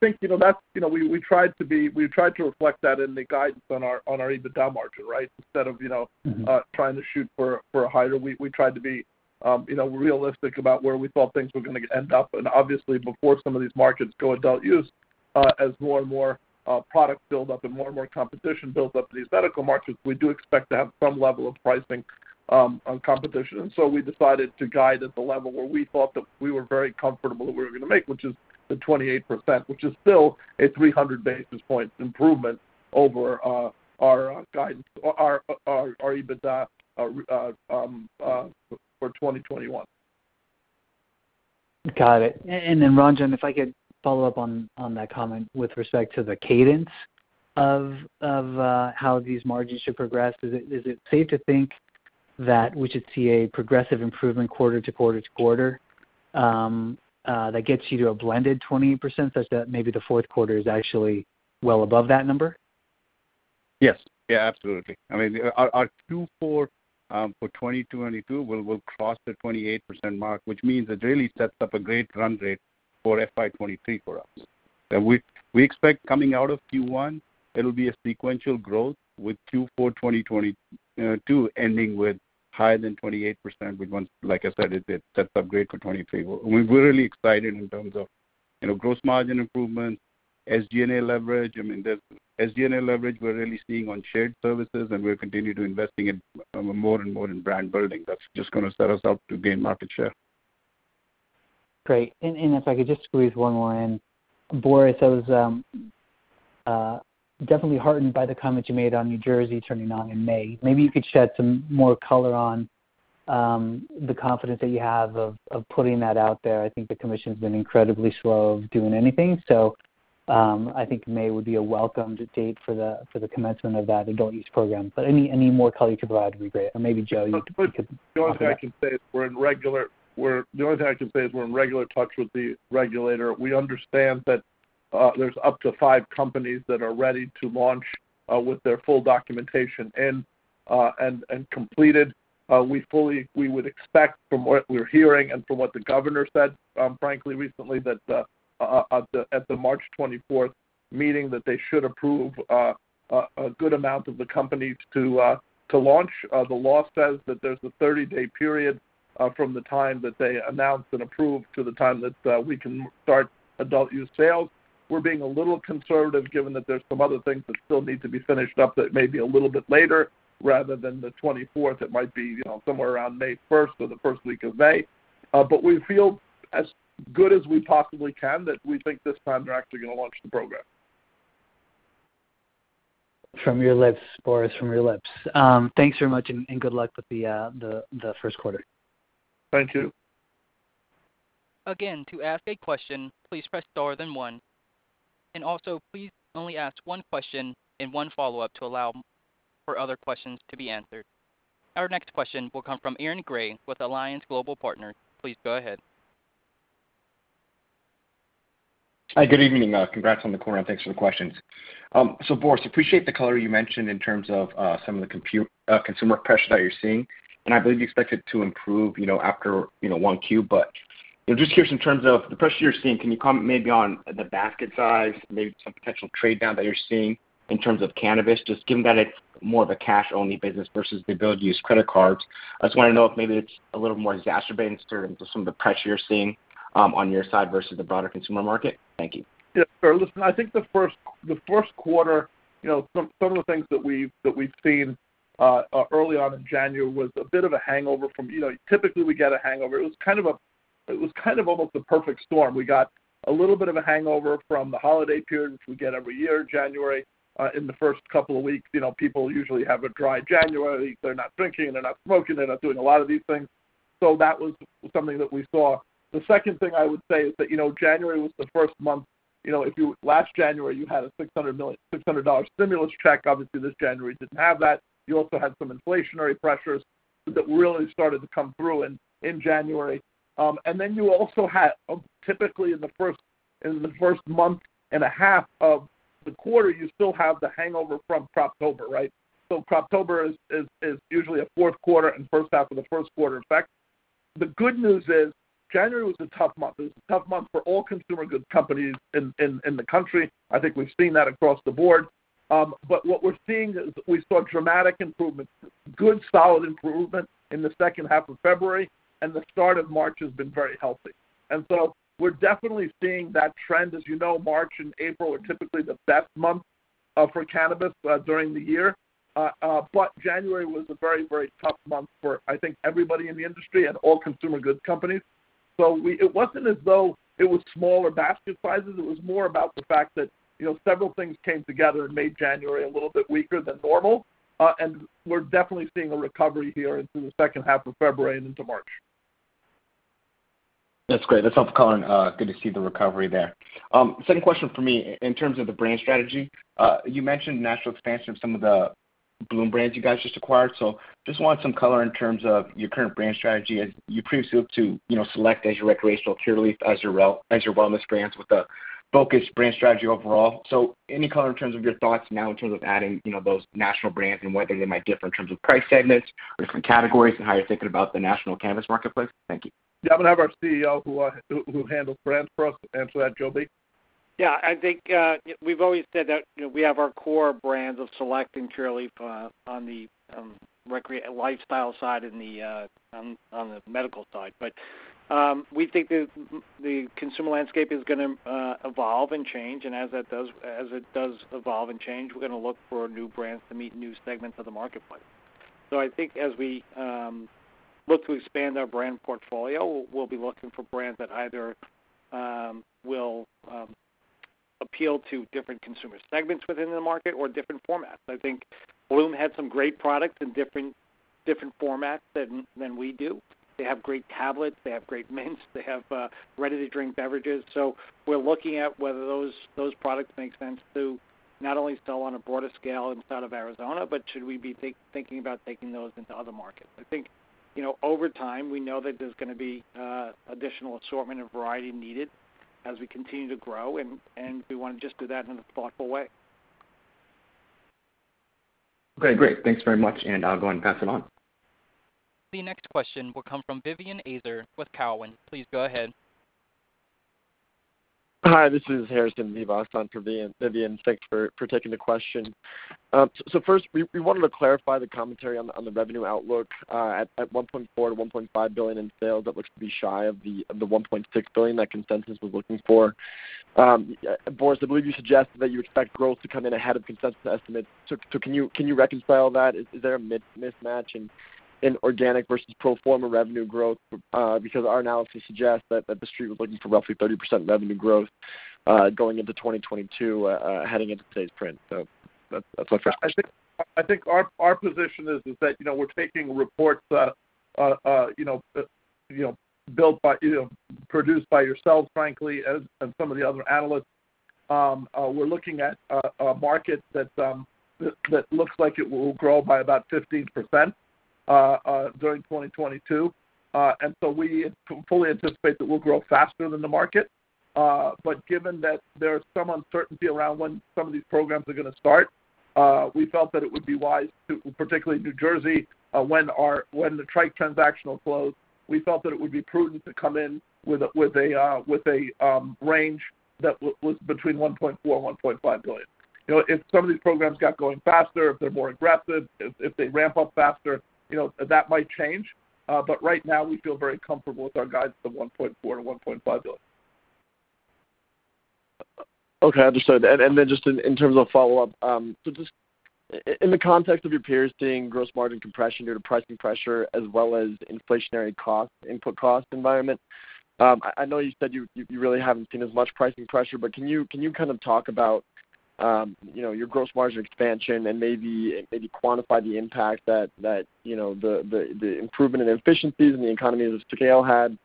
you know, we tried to reflect that in the guidance on our EBITDA margin, right? Instead of trying to shoot for higher, we tried to be realistic about where we thought things were gonna end up. Obviously before some of these markets go adult use, as more and more product build up and more and more competition builds up to these medical markets, we do expect to have some level of pricing competition. We decided to guide at the level where we thought that we were very comfortable that we were gonna make, which is the 28%, which is still a 300 basis points improvement over our guidance or our EBITDA for 2021.
Got it. Ranjan, if I could follow up on that comment with respect to the cadence of how these margins should progress. Is it safe to think that we should see a progressive improvement quarter to quarter to quarter that gets you to a blended 20%, such that maybe the fourth quarter is actually well above that number?
Yes. Yeah, absolutely. I mean, our Q4 for 2022 will cross the 28% mark, which means it really sets up a great run rate for FY 2023 for us. We expect coming out of Q1, it'll be a sequential growth with Q4 2022 ending with higher than 28%, which, once, like I said, it sets up great for 2023. We're really excited in terms of gross margin improvement, SG&A leverage. I mean, the SG&A leverage we're really seeing on shared services, and we're continuing to investing in more and more in brand building. That's just gonna set us up to gain market share.
Great. If I could just squeeze one more in. Boris, I was definitely heartened by the comment you made on New Jersey turning on in May. Maybe you could shed some more color on the confidence that you have of putting that out there. I think the commission's been incredibly slow of doing anything. I think May would be a welcomed date for the commencement of that adult use program. Any more color you could provide would be great. Maybe Joe, you could talk about it.
The only thing I can say is we're in regular touch with the regulator. We understand that there's up to five companies that are ready to launch with their full documentation in and completed. We would expect from what we're hearing and from what the governor said, frankly recently that at the March 24th meeting, that they should approve a good amount of the companies to launch. The law says that there's a thirty-day period from the time that they announce and approve to the time that we can start adult-use sales. We're being a little conservative given that there's some other things that still need to be finished up that may be a little bit later rather than the 24th. It might be somewhere around May 1 or the first week of May. But we feel as good as we possibly can that we think this time they're actually gonna launch the program.
From your lips, Boris, from your lips. Thanks very much and good luck with the first quarter.
Thank you.
Again, to ask a question, please press star then one. Also please only ask one question and one follow-up to allow for other questions to be answered. Our next question will come from Aaron Grey with Alliance Global Partners. Please go ahead.
Hi, good evening. Congrats on the quarter, and thanks for the questions. Boris, appreciate the color you mentioned in terms of some of the consumer pressure that you're seeing, and I believe you expect it to improve after one Q. You know, just curious in terms of the pressure you're seeing, can you comment maybe on the basket size, maybe some potential trade down that you're seeing in terms of cannabis, just given that it's more of a cash only business versus the ability to use credit cards? I just wanna know if maybe it's a little more exacerbating in terms of some of the pressure you're seeing, on your side versus the broader consumer market. Thank you.
Yeah, sure. Listen, I think the first quarter some of the things that we've seen early on in January was a bit of a hangover from. Typically we get a hangover. It was kind of almost a perfect storm. We got a little bit of a hangover from the holiday period, which we get every year, January in the first couple of weeks. People usually have a Dry January. They're not drinking, they're not smoking, they're not doing a lot of these things, so that was something that we saw. The second thing I would say is that January was the first month if you. Last January you had a $600 stimulus check. Obviously this January didn't have that. You also had some inflationary pressures that really started to come through in January. Typically in the first month and a half of the quarter, you still have the hangover from Croptober, right? Croptober is usually a fourth quarter and first half of the first quarter effect. The good news is January was a tough month. It was a tough month for all consumer goods companies in the country. I think we've seen that across the board. What we're seeing is we saw dramatic improvement, good solid improvement in the second half of February, and the start of March has been very healthy. We're definitely seeing that trend. As you know, March and April are typically the best months for cannabis during the year. January was a very tough month for I think everybody in the industry and all consumer goods companies. It wasn't as though it was smaller basket sizes, it was more about the fact that several things came together and made January a little bit weaker than normal. We're definitely seeing a recovery here into the second half of February and into March.
That's great. That's helpful color and good to see the recovery there. Second question for me. In terms of the brand strategy, you mentioned national expansion of some of the Bloom brands you guys just acquired. Just want some color in terms of your current brand strategy. As you previously, too select as your recreational, Curaleaf as your wellness brands with a focused brand strategy overall. Any color in terms of your thoughts now in terms of adding, you know, those national brands and whether they might differ in terms of price segments or different categories, and how you're thinking about the national cannabis marketplace? Thank you.
Yeah. I'm gonna have our CEO who handles brands for us answer that. Joe Bayern.
Yeah. I think we've always said that we have our core brands of Select and Curaleaf on the lifestyle side and on the medical side. We think the consumer landscape is gonna evolve and change, and as it does evolve and change, we're gonna look for new brands to meet new segments of the marketplace. I think as we look to expand our brand portfolio, we'll be looking for brands that either will appeal to different consumer segments within the market or different formats. I think Bloom had some great products in different formats than we do. They have great tablets, they have great mints, they have ready-to-drink beverages. We're looking at whether those products make sense to not only sell on a broader scale inside of Arizona, but should we be thinking about taking those into other markets. Over time, we know that there's gonna be additional assortment and variety needed. As we continue to grow and we want to just do that in a thoughtful way.
Okay, great. Thanks very much, and I'll go ahead and pass it on.
The next question will come from Vivien Azer with Cowen. Please go ahead.
Hi, this is Harrison Vivas on for Vivien Azer. Thanks for taking the question. First we wanted to clarify the commentary on the revenue outlook at $1.4 billion-$1.5 billion in sales. That looks to be shy of the $1.6 billion that consensus was looking for. Boris, I believe you suggested that you expect growth to come in ahead of consensus estimates. Can you reconcile that? Is there a mismatch in organic versus pro forma revenue growth? Because our analysis suggests that the Street was looking for roughly 30% revenue growth going into 2022 heading into today's print. That's my first question.
Our position is that we're taking reports produced by yourselves, frankly, as some of the other analysts. We're looking at a market that looks like it will grow by about 15% during 2022. We fully anticipate that we'll grow faster than the market. Given that there's some uncertainty around when some of these programs are gonna start, particularly New Jersey, when the Tryke transaction closes, we felt that it would be prudent to come in with a range that was between $1.4 billion and $1.5 billion. If some of these programs got going faster, if they're more aggressive, if they ramp up faster that might change. But right now we feel very comfortable with our guidance of $1.4 billion-$1.5 billion.
Okay, understood. Then just in terms of follow-up, so just in the context of your peers seeing gross margin compression due to pricing pressure as well as inflationary cost, input cost environment, I know you said you really haven't seen as much pricing pressure, but can you kind of talk about your gross margin expansion and maybe quantify the impact that, you know, the improvement in efficiencies and the economies of scale had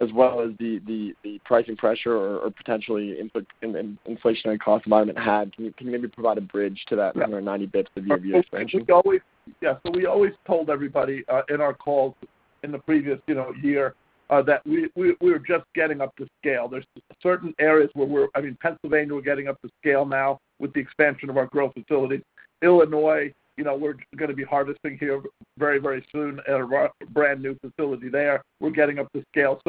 as well as the pricing pressure or potentially input inflationary cost environment had? Can you maybe provide a bridge to that number 90 basis points of year-over-year expansion?
We always told everybody in our calls in the previous year that we were just getting up to scale. There are certain areas where we're getting up to scale now with the expansion of our growth facility in Pennsylvania. In Illinois, we're gonna be harvesting here very soon at our brand new facility there. We're getting up to scale.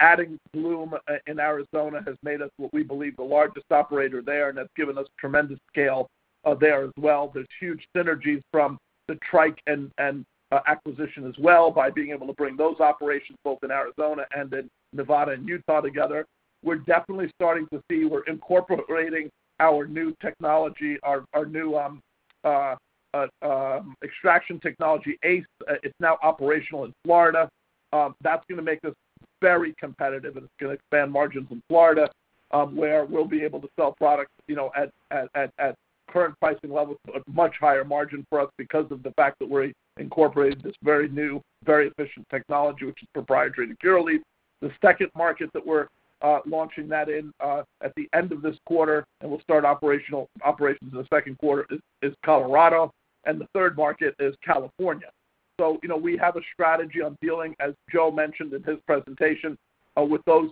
Adding Bloom in Arizona has made us what we believe the largest operator there, and that's given us tremendous scale there as well. There are huge synergies from the Tryke acquisition as well by being able to bring those operations both in Arizona and in Nevada and Utah together. We're definitely starting to see. We're incorporating our new extraction technology, ACE. It's now operational in Florida. That's gonna make us very competitive, and it's gonna expand margins in Florida, where we'll be able to sell products at current pricing levels, so a much higher margin for us because of the fact that we're incorporating this very new, very efficient technology, which is proprietary to Curaleaf. The second market that we're launching that in at the end of this quarter and we'll start operations in the second quarter is Colorado, and the third market is California. We have a strategy on dealing, as Joe mentioned in his presentation, with those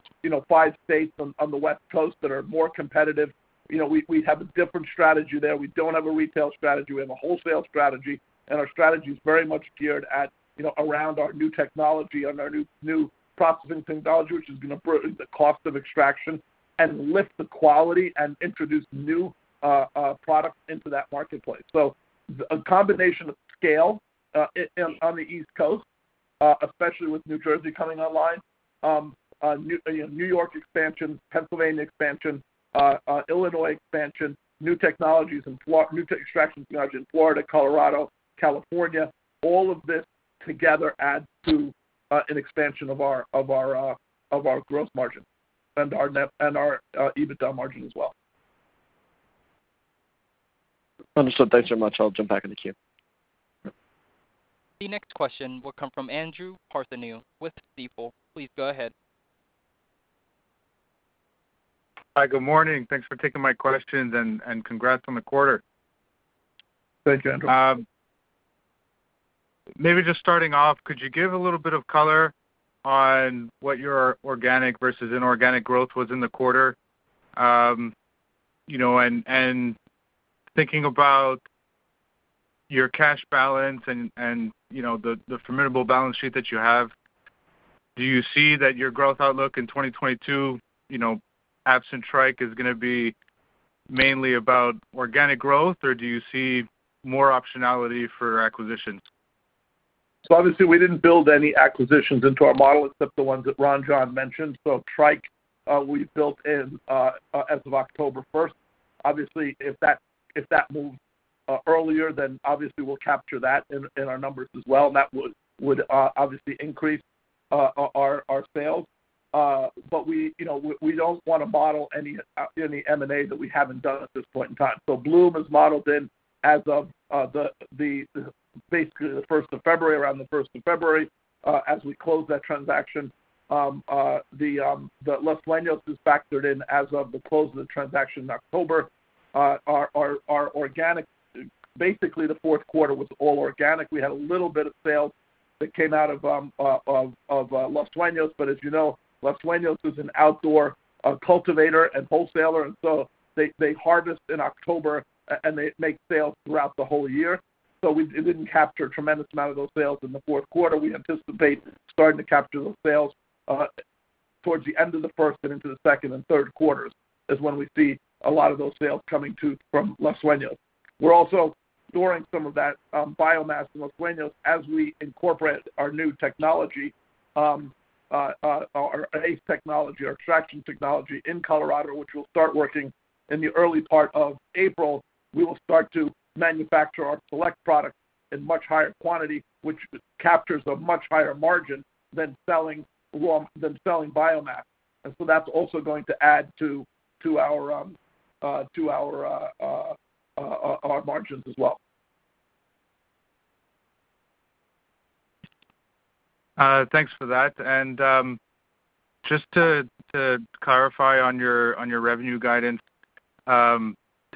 five states on the West Coast that are more competitive. We have a different strategy there. We don't have a retail strategy. We have a wholesale strategy, and our strategy is very much geared at around our new technology and our new processing technology, which is gonna improve the cost of extraction and lift the quality and introduce new products into that marketplace. A combination of scale on the East Coast, especially with New Jersey coming online, New York expansion, Pennsylvania expansion, Illinois expansion, new extraction technologies in Florida, Colorado, California, all of this together add to an expansion of our growth margin and our EBITDA margin as well.
Understood. Thanks very much. I'll jump back in the queue.
Yeah.
The next question will come from Andrew Partheniou with BofA Securities. Please go ahead.
Hi. Good morning. Thanks for taking my questions, and congrats on the quarter.
Thanks, Andrew.
Maybe just starting off, could you give a little bit of color on what your organic versus inorganic growth was in the quarter? Thinking about your cash balance and the formidable balance sheet that you have, do you see that your growth outlook in 2022 absent Tryke is gonna be mainly about organic growth, or do you see more optionality for acquisitions?
Obviously we didn't build any acquisitions into our model except the ones that Ranjan Kalia mentioned. Tryke, we built in as of October first. Obviously, if that moves earlier, then obviously we'll capture that in our numbers as well, and that would obviously increase our sales. We don't want to model any M&A that we haven't done at this point in time. Bloom is modeled in as of basically the first of February, around the first of February, as we close that transaction. The Los Sueños is factored in as of the close of the transaction in October. Our organic. Basically, the fourth quarter was all organic. We had a little bit of sales that came out of Los Sueños. As you know, Los Sueños is an outdoor cultivator and wholesaler, and so they harvest in October and they make sales throughout the whole year. It didn't capture a tremendous amount of those sales in the fourth quarter. We anticipate starting to capture those sales towards the end of the first and into the second and third quarters, is when we see a lot of those sales coming through from Los Sueños. We're also storing some of that biomass in Los Sueños as we incorporate our new technology, our ACE technology, our extraction technology in Colorado, which will start working in the early part of April. We will start to manufacture our Select product in much higher quantity, which captures a much higher margin than selling biomass. That's also going to add to our margins as well.
Thanks for that. Just to clarify on your revenue guidance,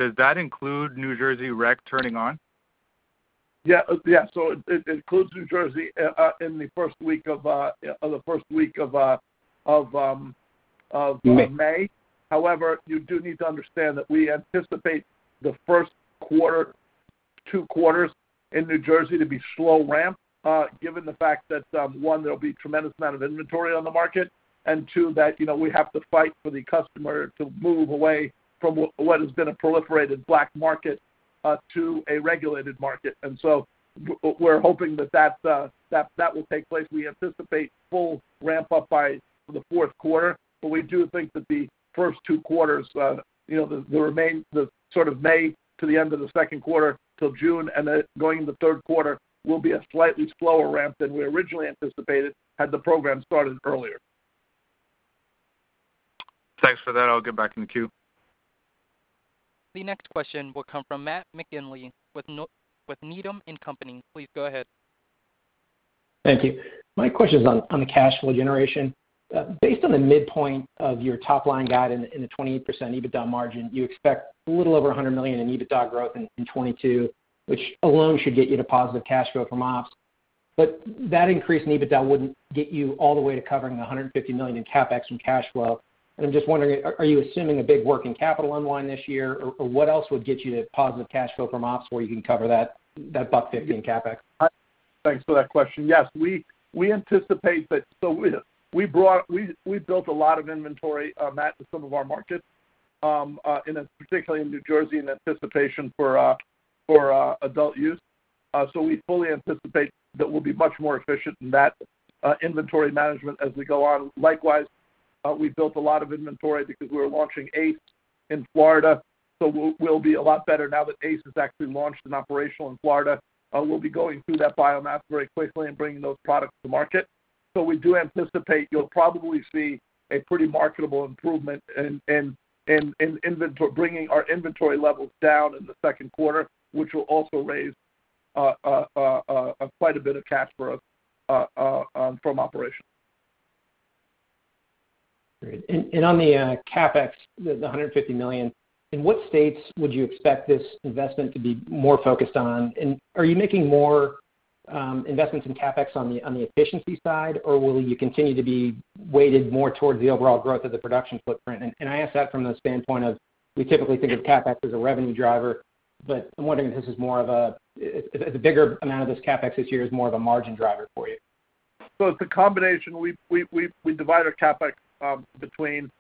does that include New Jersey rec turning on?
Yeah. Yeah, so it includes New Jersey in the first week of However, you do need to understand that we anticipate the first quarter, 2 quarters in New Jersey to be slow ramp, given the fact that, one, there'll be a tremendous amount of inventory on the market, and two, that we have to fight for the customer to move away from what has been a proliferated black market, to a regulated market. We're hoping that that will take place. We anticipate full ramp up by the fourth quarter. We do think that the first 2 quarters the remainder, the sort of May to the end of the second quarter till June and then going into the third quarter will be a slightly slower ramp than we originally anticipated had the program started earlier.
Thanks for that. I'll get back in the queue.
The next question will come from Matt McGinley with Needham & Company. Please go ahead.
Thank you. My question is on the cash flow generation. Based on the midpoint of your top line guidance and the 28% EBITDA margin, you expect a little over $100 million in EBITDA growth in 2022, which alone should get you to positive cash flow from ops. That increase in EBITDA wouldn't get you all the way to covering the $150 million in CapEx and cash flow. I'm just wondering, are you assuming a big working capital unwind this year, or what else would get you to positive cash flow from ops where you can cover that $150 million in CapEx?
Thanks for that question. Yes, we anticipate that. We built a lot of inventory, Matt, to some of our markets, particularly in New Jersey, in anticipation for adult use. We fully anticipate that we'll be much more efficient in that inventory management as we go on. Likewise, we built a lot of inventory because we were launching ACE in Florida, we'll be a lot better now that ACE is actually launched and operational in Florida. We'll be going through that biomass very quickly and bringing those products to market. We do anticipate you'll probably see a pretty marketable improvement in bringing our inventory levels down in the second quarter, which will also raise quite a bit of cash flow from operations.
Great. On the CapEx, the $150 million, in what states would you expect this investment to be more focused on? Are you making more investments in CapEx on the efficiency side, or will you continue to be weighted more towards the overall growth of the production footprint? I ask that from the standpoint of we typically think of CapEx as a revenue driver, but I'm wondering if the bigger amount of this CapEx this year is more of a margin driver for you.
It's a combination. We divide our CapEx between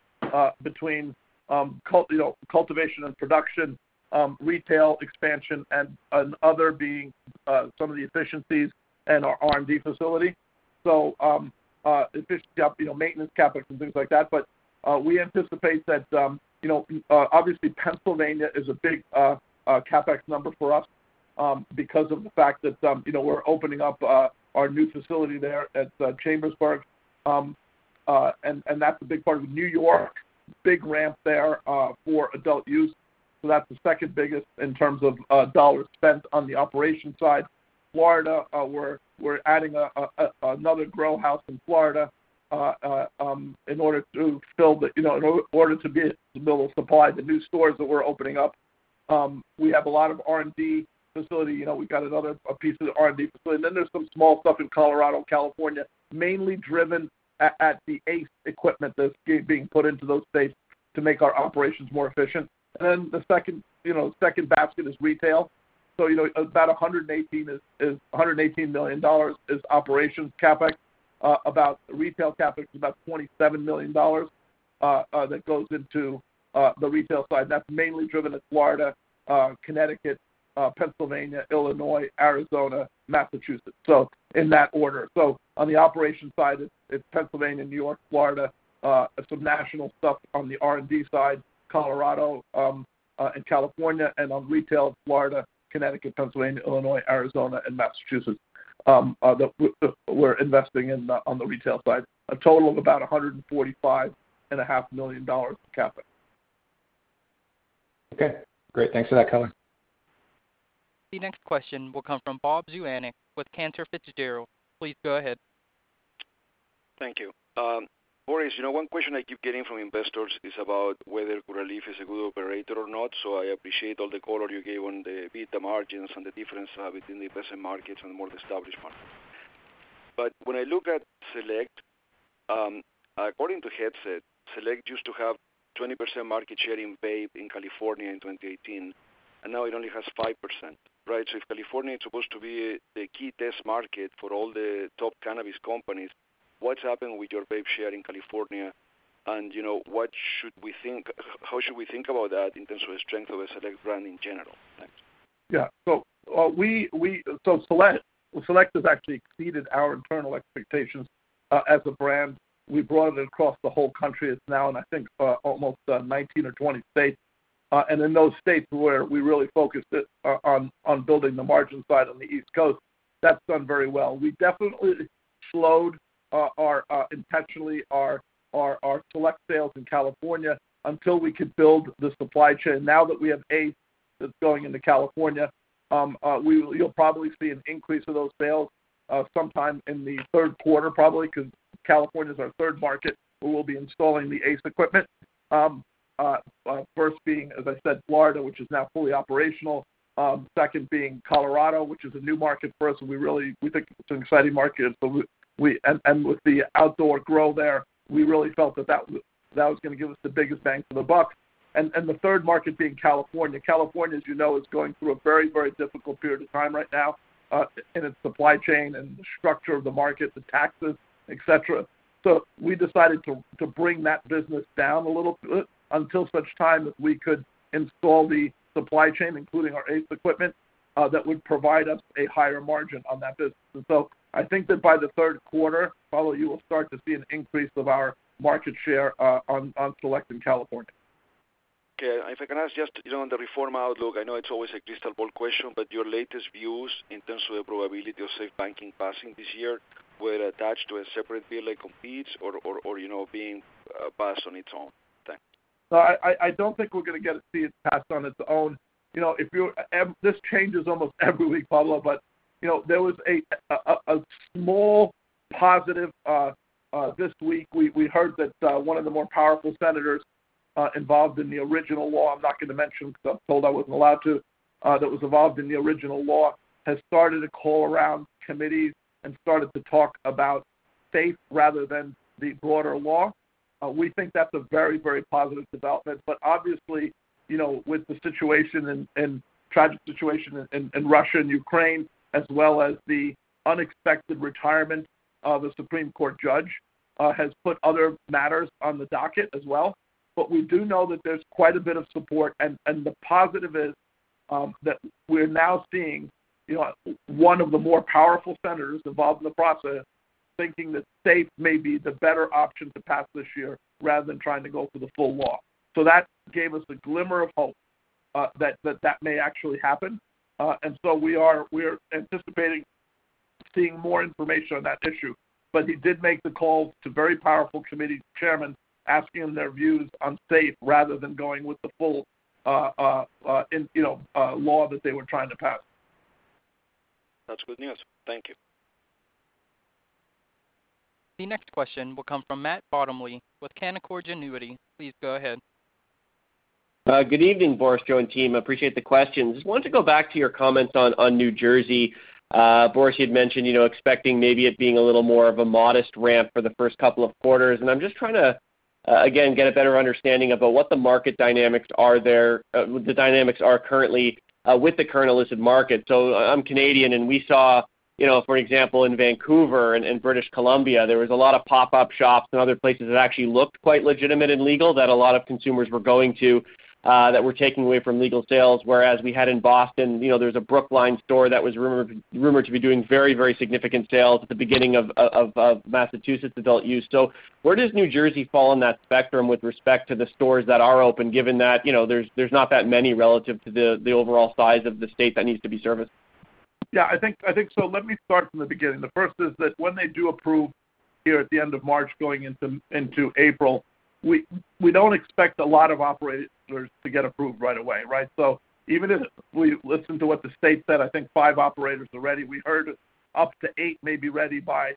cultivation and production, retail expansion and other being some of the efficiencies in our R&D facility. Efficient maintenance CapEx and things like that. We anticipate that obviously Pennsylvania is a big CapEx number for us, because of the fact that we're opening up our new facility there at Chambersburg. That's a big part of New York, big ramp there for adult use. That's the second biggest in terms of dollars spent on the operation side. Florida, we're adding another grow house in Florida in order to fill in order to be able to supply the new stores that we're opening up. We have a lot of R&D facility. We've got another piece of R&D facility. Then there's some small stuff in Colorado and California, mainly driven by the ACE equipment that's being put into those states to make our operations more efficient. Then the second basket is retail about $118 million is operations CapEx. The retail CapEx is about $27 million that goes into the retail side. That's mainly driven in Florida, Connecticut, Pennsylvania, Illinois, Arizona, Massachusetts in that order. On the operations side, it's Pennsylvania, New York, Florida, some national stuff. On the R&D side, Colorado, and California. On retail, Florida, Connecticut, Pennsylvania, Illinois, Arizona, and Massachusetts, that we're investing in on the retail side. A total of about $145 and a half million of CapEx.
Okay, great. Thanks for that color.
The next question will come from Pablo Zuanic with Cantor Fitzgerald. Please go ahead.
Thank you. Boris, one question I keep getting from investors is about whether Curaleaf is a good operator or not. I appreciate all the color you gave on the EBITDA margins and the difference between the investment markets and the more established markets. When I look at Select, according to Headset, Select used to have 20% market share in vape in California in 2018, and now it only has 5%, right? If California is supposed to be the key test market for all the top cannabis companies, what's happened with your vape share in California? How should we think about that in terms of the strength of the Select brand in general? Thanks.
Select has actually exceeded our internal expectations as a brand. We brought it across the whole country, and it's now in, I think, almost 19 or 20 states. In those states where we really focused it on building the margin side on the East Coast, that's done very well. We definitely slowed intentionally our Select sales in California until we could build the supply chain. Now that we have ACE that's going into California, you'll probably see an increase of those sales sometime in the third quarter, probably, because California is our third market, where we'll be installing the ACE equipment. First being, as I said, Florida, which is now fully operational, second being Colorado, which is a new market for us, and we really think it's an exciting market. With the outdoor grow there, we really felt that that was gonna give us the biggest bang for the buck. The third market being California. California, as you know, is going through a very, very difficult period of time right now, in its supply chain and the structure of the market, the taxes, et cetera. We decided to bring that business down a little bit until such time that we could install the supply chain, including our ACE equipment, that would provide us a higher margin on that business. I think that by the third quarter, probably you will start to see an increase of our market share on Select in California.
Okay. If I can ask just on the reform outlook, I know it's always a crystal ball question, but your latest views in terms of the probability of SAFE Banking passing this year were attached to a separate bill like COMPETES or, you know, being passed on its own? Thanks.
I don't think we're gonna get to see it passed on its own. This changes almost every week, Pablo there was a small positive this week. We heard that one of the more powerful senators involved in the original law, I'm not gonna mention because I'm told I wasn't allowed to, that was involved in the original law, has started to call around committees and started to talk about SAFE rather than the broader law. We think that's a very positive development. Obviously, you know, with the situation and tragic situation in Russia and Ukraine, as well as the unexpected retirement of a Supreme Court judge, has put other matters on the docket as well. We do know that there's quite a bit of support, and the positive is that we're now seeing one of the more powerful senators involved in the process thinking that SAFE may be the better option to pass this year rather than trying to go for the full law. That gave us a glimmer of hope that may actually happen. We are anticipating seeing more information on that issue. He did make the call to very powerful committee chairman asking their views on SAFE rather than going with the full law that they were trying to pass.
That's good news. Thank you.
The next question will come from Matt Bottomley with Canaccord Genuity. Please go ahead.
Good evening, Boris, Joe, and team. Appreciate the questions. Just wanted to go back to your comments on New Jersey. Boris, you'd mentioned expecting maybe it being a little more of a modest ramp for the first couple of quarters. I'm just trying to again get a better understanding about what the market dynamics are there, the dynamics are currently with the current illicit market. I'm Canadian, and we saw for example, in Vancouver and in British Columbia, there was a lot of pop-up shops and other places that actually looked quite legitimate and legal that a lot of consumers were going to that were taking away from legal sales. Whereas we had in Boston there's a Brookline store that was rumored to be doing very, very significant sales at the beginning of of Massachusetts adult use. Where does New Jersey fall in that spectrum with respect to the stores that are open, given that there's not that many relative to the overall size of the state that needs to be serviced?
Yeah, I think so. Let me start from the beginning. The first is that when they do approve here at the end of March going into April, we don't expect a lot of operators to get approved right away, right? Even if we listen to what the state said, I think 5 operators are ready. We heard up to 8 may be ready by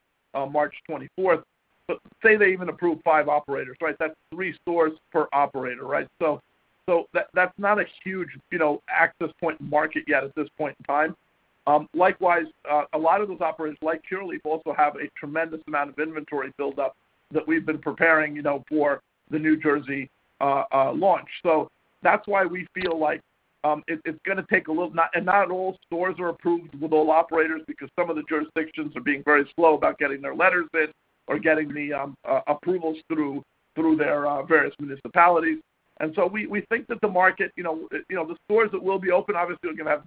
March 24. But say they even approve 5 operators, right? That's 3 stores per operator, right? So that's not a huge access point market yet at this point in time. Likewise, a lot of those operators, like Curaleaf, also have a tremendous amount of inventory built up that we've been preparingfor the New Jersey launch. So that's why we feel like it's gonna take a little. Not all stores are approved with all operators because some of the jurisdictions are being very slow about getting their letters in or getting the approvals through their various municipalities. We think that the market, the stores that will be open obviously are gonna have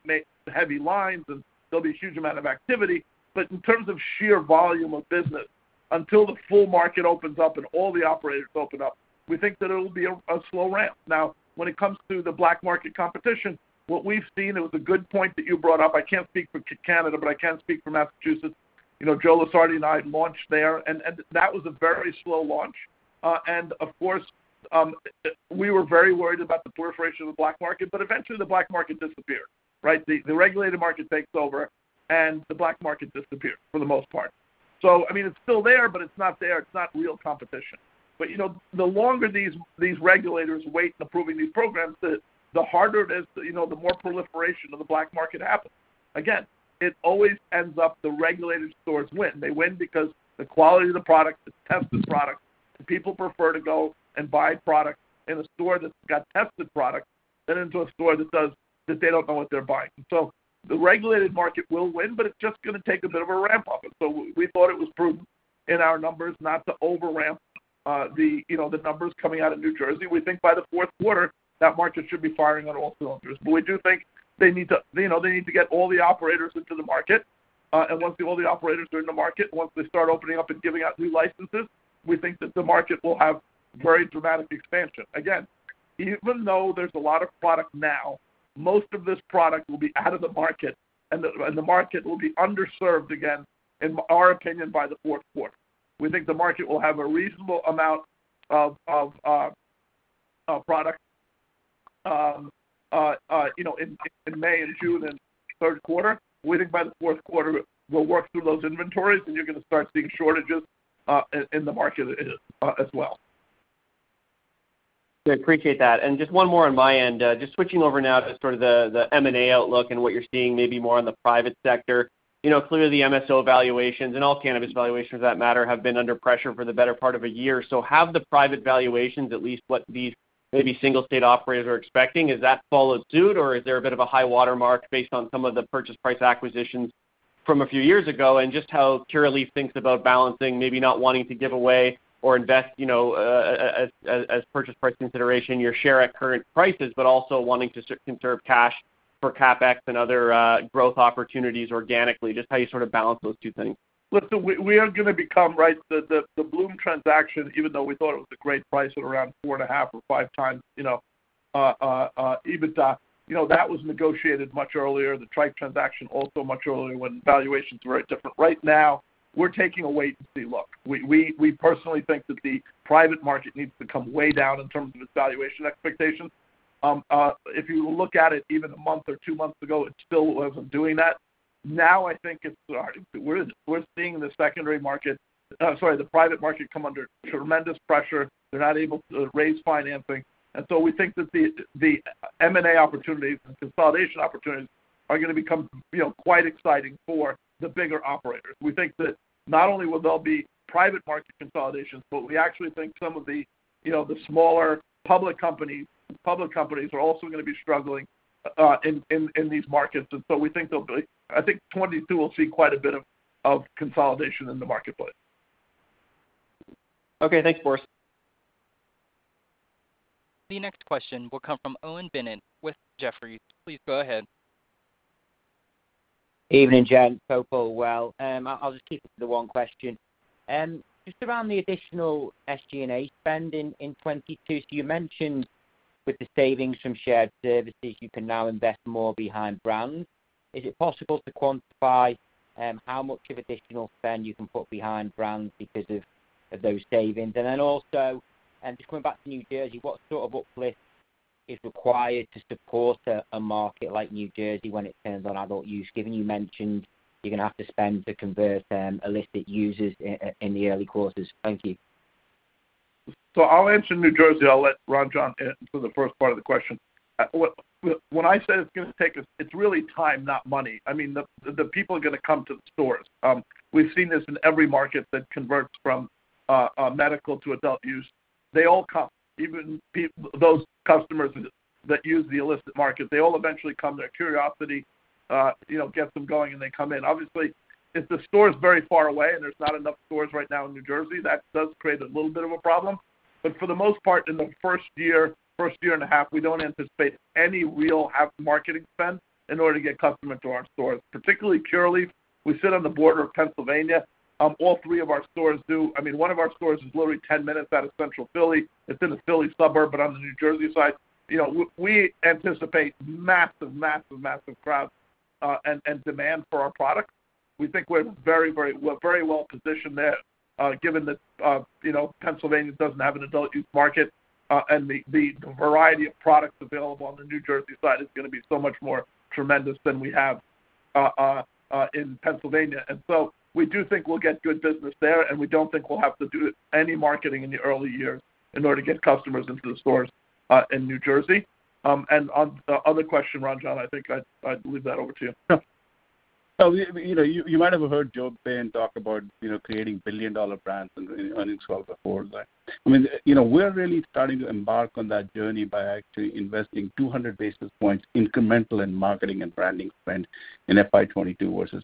heavy lines, and there'll be a huge amount of activity. In terms of sheer volume of business, until the full market opens up and all the operators open up, we think that it'll be a slow ramp. Now, when it comes to the black market competition, what we've seen, it was a good point that you brought up. I can't speak for Canada, but I can speak for Massachusetts. You know, Joe Lusardi and I had launched there, and that was a very slow launch. Of course, we were very worried about the proliferation of the black market, but eventually the black market disappeared. Right. The regulated market takes over and the black market disappears for the most part. I mean, it's still there, but it's not there, it's not real competition. The longer these regulators wait in approving these programs, the harder it is, you know, the more proliferation of the black market happens. Again, it always ends up the regulated stores win. They win because the quality of the product, the tested product, and people prefer to go and buy product in a store that's got tested product than into a store that they don't know what they're buying. The regulated market will win, but it's just gonna take a bit of a ramp up. We thought it was prudent in our numbers not to over ramp, you know, the numbers coming out of New Jersey. We think by the fourth quarter, that market should be firing on all cylinders. We do think they need to get all the operators into the market, and once all the operators are in the market, once they start opening up and giving out new licenses, we think that the market will have very dramatic expansion. Again, even though there's a lot of product now, most of this product will be out of the market, and the market will be underserved again, in our opinion, by the fourth quarter. We think the market will have a reasonable amount of product, you know, in May and June and third quarter. We think by the fourth quarter, we'll work through those inventories, and you're gonna start seeing shortages in the market as well.
I appreciate that. Just one more on my end. Just switching over now to sort of the M&A outlook and what you're seeing maybe more on the private sector. You know, clearly the MSO valuations and all cannabis valuations for that matter have been under pressure for the better part of a year. Have the private valuations, at least what these maybe single state operators are expecting, followed suit, or is there a bit of a high water mark based on some of the purchase price acquisitions from a few years ago? Just how Curaleaf thinks about balancing, maybe not wanting to give away or invest as purchase price consideration your share at current prices, but also wanting to conserve cash for CapEx and other growth opportunities organically, just how you sort of balance those two things.
Listen, we are gonna become the Bloom transaction, even though we thought it was a great price at around 4.5x or 5x EBITDA, you know, that was negotiated much earlier. The Tryke transaction also much earlier when valuations were different. Right now, we're taking a wait and see look. We personally think that the private market needs to come way down in terms of its valuation expectations. If you look at it even a month or two months ago, it still wasn't doing that. Now, I think it's starting. We're seeing the private market come under tremendous pressure. They're not able to raise financing. We think that the M&A opportunities and consolidation opportunities are gonna become, you know, quite exciting for the bigger operators. We think that not only will there be private market consolidations, but we actually think some of the smaller public companies are also gonna be struggling in these markets. I think 2022 will see quite a bit of consolidation in the marketplace.
Okay, thanks, Boris.
The next question will come from Owen Bennett with Jefferies. Please go ahead.
Evening, gents. Hope all well. I'll just keep it to the one question. Just around the additional SG&A spend in 2022. You mentioned with the savings from shared services, you can now invest more behind brands. Is it possible to quantify how much of additional spend you can put behind brands because of those savings? And then also, just going back to New Jersey, what sort of uplift is required to support a market like New Jersey when it turns on adult use, given you mentioned you're gonna have to spend to convert illicit users in the early quarters? Thank you.
I'll answer New Jersey. I'll let Ranjan answer the first part of the question. When I said it's gonna take us, it's really time, not money. I mean, the people are gonna come to the stores. We've seen this in every market that converts from medical to adult use. They all come, even those customers that use the illicit market, they all eventually come. Their curiosity, you know, gets them going and they come in. Obviously, if the store is very far away and there's not enough stores right now in New Jersey, that does create a little bit of a problem. But for the most part, in the first year and a half, we don't anticipate any real heavy marketing spend in order to get customer into our stores. Particularly Curaleaf, we sit on the border of Pennsylvania. All three of our stores do. I mean, one of our stores is literally 10 minutes out of Central Philly. It's in a Philly suburb, but on the New Jersey side we anticipate massive crowds and demand for our products. We think we're very well positioned there, given that Pennsylvania doesn't have an adult use market, and the variety of products available on the New Jersey side is gonna be so much more tremendous than we have in Pennsylvania. We do think we'll get good business there, and we don't think we'll have to do any marketing in the early years in order to get customers into the stores in New Jersey. On the other question, Ranjan, I think I'd leave that over to you.
Yeah. You might have heard Joe Bayern talk about creating billion-dollar brands and earnings call before that. I mean, we're really starting to embark on that journey by actually investing 200 basis points incremental in marketing and branding spend in FY 2022 versus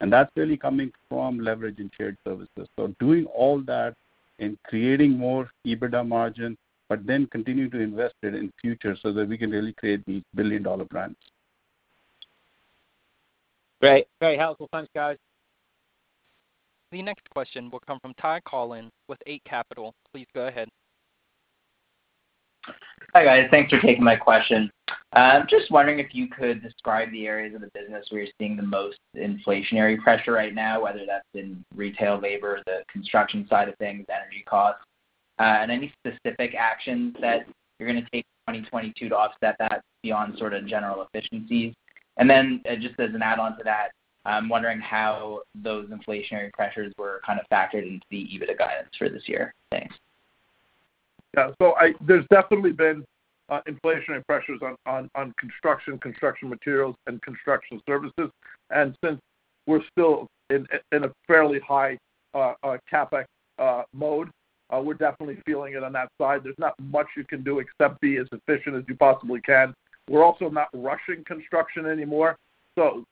2021. That's really coming from leverage in shared services. Doing all that and creating more EBITDA margin, but then continuing to invest it in future so that we can really create these billion-dollar brands.
Great. Helpful. Thanks, guys.
The next question will come from Ty Collin with Eight Capital. Please go ahead.
Hi, guys. Thanks for taking my question. I'm just wondering if you could describe the areas of the business where you're seeing the most inflationary pressure right now, whether that's in retail, labor, the construction side of things, energy costs. Any specific actions that you're gonna take in 2022 to offset that beyond sort of general efficiency? Just as an add-on to that, I'm wondering how those inflationary pressures were kind of factored into the EBITDA guidance for this year. Thanks.
There's definitely been inflationary pressures on construction materials and construction services. Since we're still in a fairly high CapEx mode, we're definitely feeling it on that side. There's not much you can do except be as efficient as you possibly can. We're also not rushing construction anymore.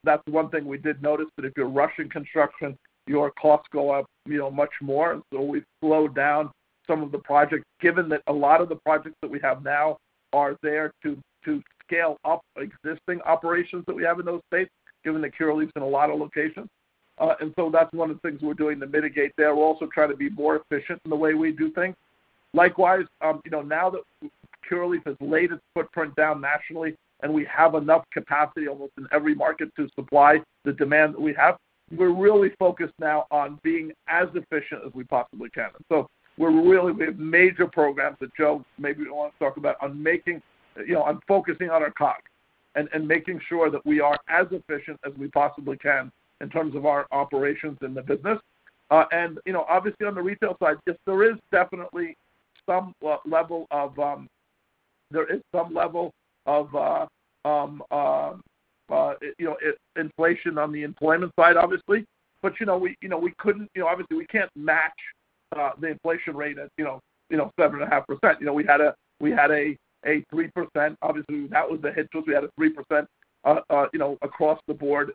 That's one thing we did notice that if you're rushing construction, your costs go up, you know, much more. We've slowed down some of the projects, given that a lot of the projects that we have now are there to scale up existing operations that we have in those states, given that Curaleaf's in a lot of locations. That's one of the things we're doing to mitigate there. We're also trying to be more efficient in the way we do things. Likewise now that Curaleaf has laid its footprint down nationally, and we have enough capacity almost in every market to supply the demand that we have, we're really focused now on being as efficient as we possibly can. We have major programs that Joe maybe will want to talk about, you know, on focusing on our COGS and making sure that we are as efficient as we possibly can in terms of our operations in the business. Obviously on the retail side, yes, there is definitely some level of inflation on the employment side, obviously. Obviously we can't match the inflation rate at 7.5%. We had a 3% across the board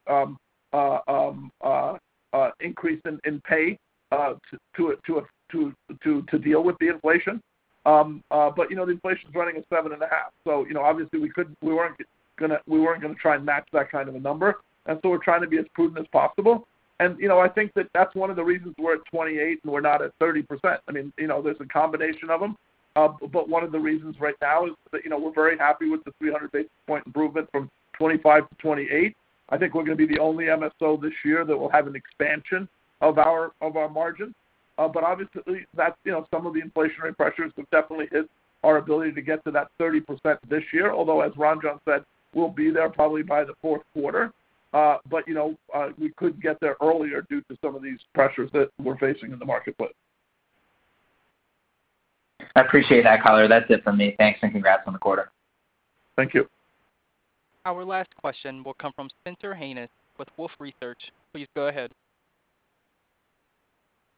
increase in pay to deal with the inflation. The inflation is running at 7.5%, obviously we couldn't we weren't gonna try and match that kind of a number. We're trying to be as prudent as possible I think that's one of the reasons we're at 28% and we're not at 30%. I mean, you know, there's a combination of them. One of the reasons right now is that, you know, we're very happy with the 300 basis point improvement from 25% to 28%. I think we're gonna be the only MSO this year that will have an expansion of our margin. Obviously, that's some of the inflationary pressures have definitely hit our ability to get to that 30% this year. Although as Ranjan said, we'll be there probably by the fourth quarter. We could get there earlier due to some of these pressures that we're facing in the marketplace.
I appreciate that, color. That's it from me. Thanks and congrats on the quarter.
Thank you.
Our last question will come from Spencer Hanus with Wolfe Research. Please go ahead.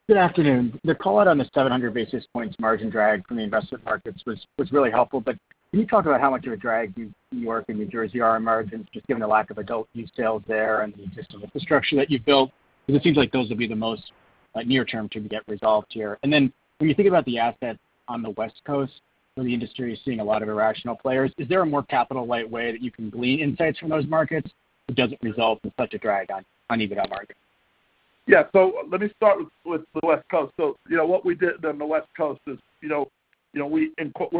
Good afternoon. The call out on the 700 basis points margin drag from the investment markets was really helpful. Can you talk about how much of a drag New York and New Jersey are in margins, just given the lack of adult use sales there and the existing infrastructure that you've built? Because it seems like those will be the most, like near term to get resolved here. Then when you think about the assets on the West Coast, where the industry is seeing a lot of irrational players, is there a more capital light way that you can glean insights from those markets that doesn't result in such a drag on EBITDA margin?
Yeah. Let me start with the West Coast. You know, what we did on the West Coast is, you know, we're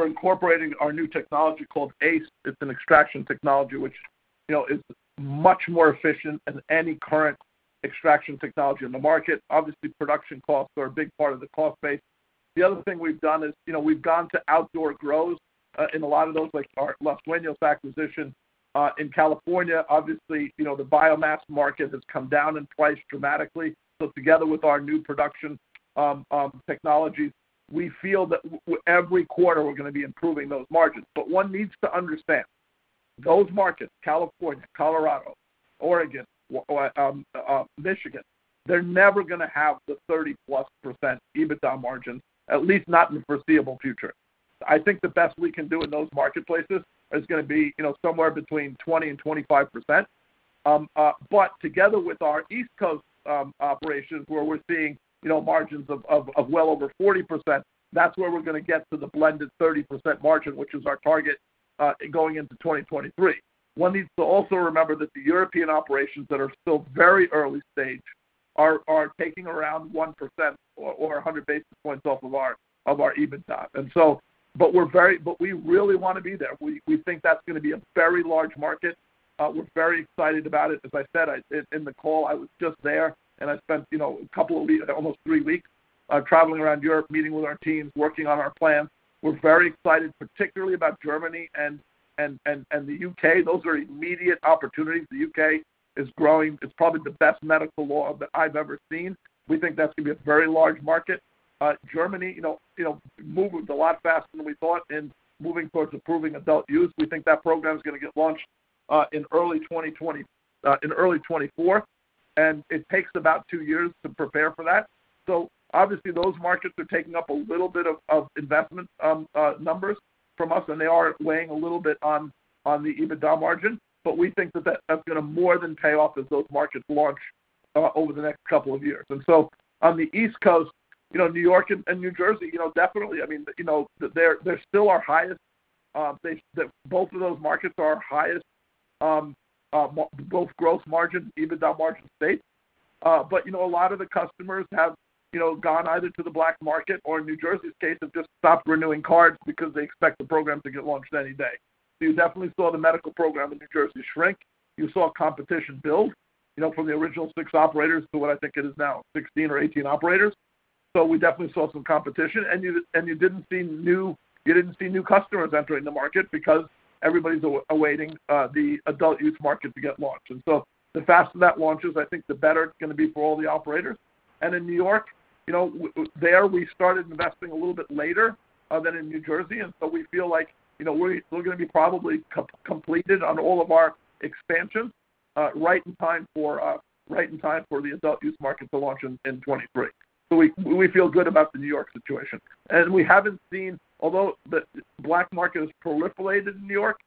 incorporating our new technology called ACE. It's an extraction technology, which is much more efficient than any current extraction technology in the market. Obviously, production costs are a big part of the cost base. The other thing we've done is we've gone to outdoor grows in a lot of those, like our Los Sueños acquisition in California. Obviously, the biomass market has come down in price dramaticall, so together with our new production technologies, we feel that with every quarter we're gonna be improving those margins. One needs to understand, those markets, California, Colorado, Oregon, or Michigan, they're never gonna have the 30+% EBITDA margin, at least not in the foreseeable future. I think the best we can do in those marketplaces is gonna be somewhere between 20%-25%. Together with our East Coast operations, where we're seeing, you know, margins of well over 40%, that's where we're gonna get to the blended 30% margin, which is our target, going into 2023. One needs to also remember that the European operations that are still very early stage are taking around 1% or a hundred basis points off of our EBITDA. We really wanna be there. We think that's gonna be a very large market. We're very excited about it. As I said, in the call, I was just there and I spent, you know, almost three weeks traveling around Europe, meeting with our teams, working on our plan. We're very excited, particularly about Germany and the U.K. Those are immediate opportunities. The U.K. is growing. It's probably the best medical law that I've ever seen. We think that's gonna be a very large market. Germany moving a lot faster than we thought and moving towards approving adult use. We think that program is gonna get launched in early 2024, and it takes about two years to prepare for that. Obviously, those markets are taking up a little bit of investment numbers from us, and they are weighing a little bit on the EBITDA margin. We think that's gonna more than pay off as those markets launch over the next couple of years. On the East Coast, New York and New Jersey definitely, they're still our highest both growth margin, EBITDA margin states. A lot of the customers have you know gone either to the black market or in New Jersey's case have just stopped renewing cards because they expect the program to get launched any day. You definitely saw the medical program in New Jersey shrink. You saw competition build from the original six operators to what I think it is now, 16 or 18 operators, we definitely saw some competition. You didn't see new customers entering the market because everybody's awaiting the adult use market to get launched. The faster that launches, I think the better it's gonna be for all the operators. In New York there we started investing a little bit later than in New Jersey. We feel like we're gonna be probably completed on all of our expansion right in time for the adult use market to launch in 2023. We feel good about the New York situation. Although the black market has proliferated in New York,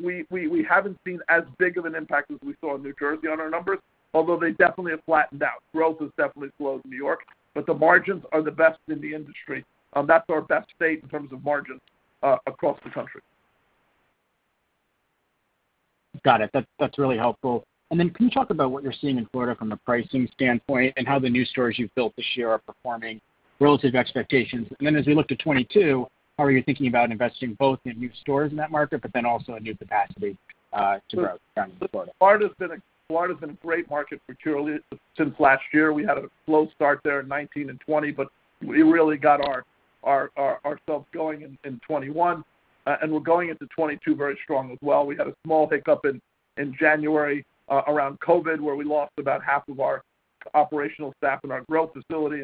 we haven't seen as big of an impact as we saw in New Jersey on our numbers, although they definitely have flattened out. Growth has definitely slowed in New York, but the margins are the best in the industry. That's our best state in terms of margins across the country.
Got it. That's really helpful. Can you talk about what you're seeing in Florida from a pricing standpoint and how the new stores you've built this year are performing relative to expectations? As we look to 2022, how are you thinking about investing both in new stores in that market, but then also in new capacity to grow down in Florida?
Florida's been a great market for Curaleaf since last year. We had a slow start there in 2019 and 2020, but we really got ourselves going in 2021. We're going into 2022 very strong as well. We had a small hiccup in January around COVID, where we lost about half of our operational staff in our growth facility.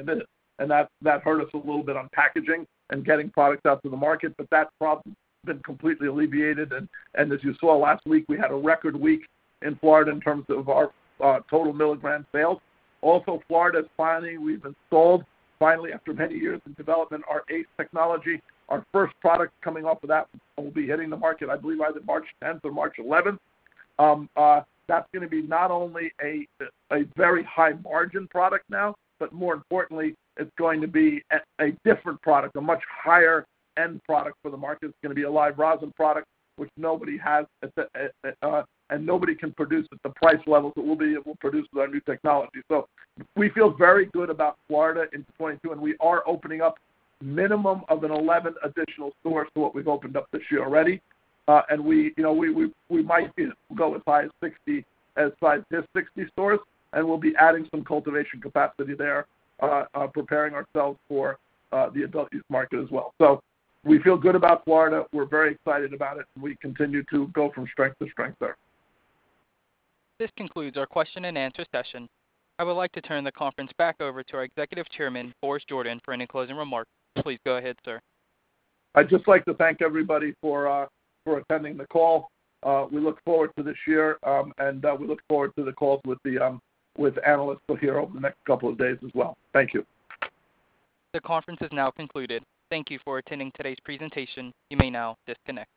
That hurt us a little bit on packaging and getting products out to the market. That problem has been completely alleviated. As you saw last week, we had a record week in Florida in terms of our total milligram sales. Also, Florida is finally. We've installed finally after many years in development, our ACE technology. Our first product coming off of that will be hitting the market, I believe either March 10th or March 11th. That's gonna be not only a very high margin product now, but more importantly, it's going to be a different product, a much higher end product for the market. It's gonna be a live rosin product, which nobody has, and nobody can produce at the price levels that we'll be able to produce with our new technology. We feel very good about Florida in 2022, and we are opening up minimum of 11 additional stores to what we've opened up this year already. We, you know, might go as high as 60 stores, and we'll be adding some cultivation capacity there, preparing ourselves for the adult use market as well. We feel good about Florida. We're very excited about it, and we continue to go from strength to strength there.
This concludes our question and answer session. I would like to turn the conference back over to our Executive Chairman, Boris Jordan, for any closing remarks. Please go ahead, sir.
I'd just like to thank everybody for attending the call. We look forward to this year, and we look forward to the calls with analysts here over the next couple of days as well. Thank you.
The conference is now concluded. Thank you for attending today's presentation. You may now disconnect.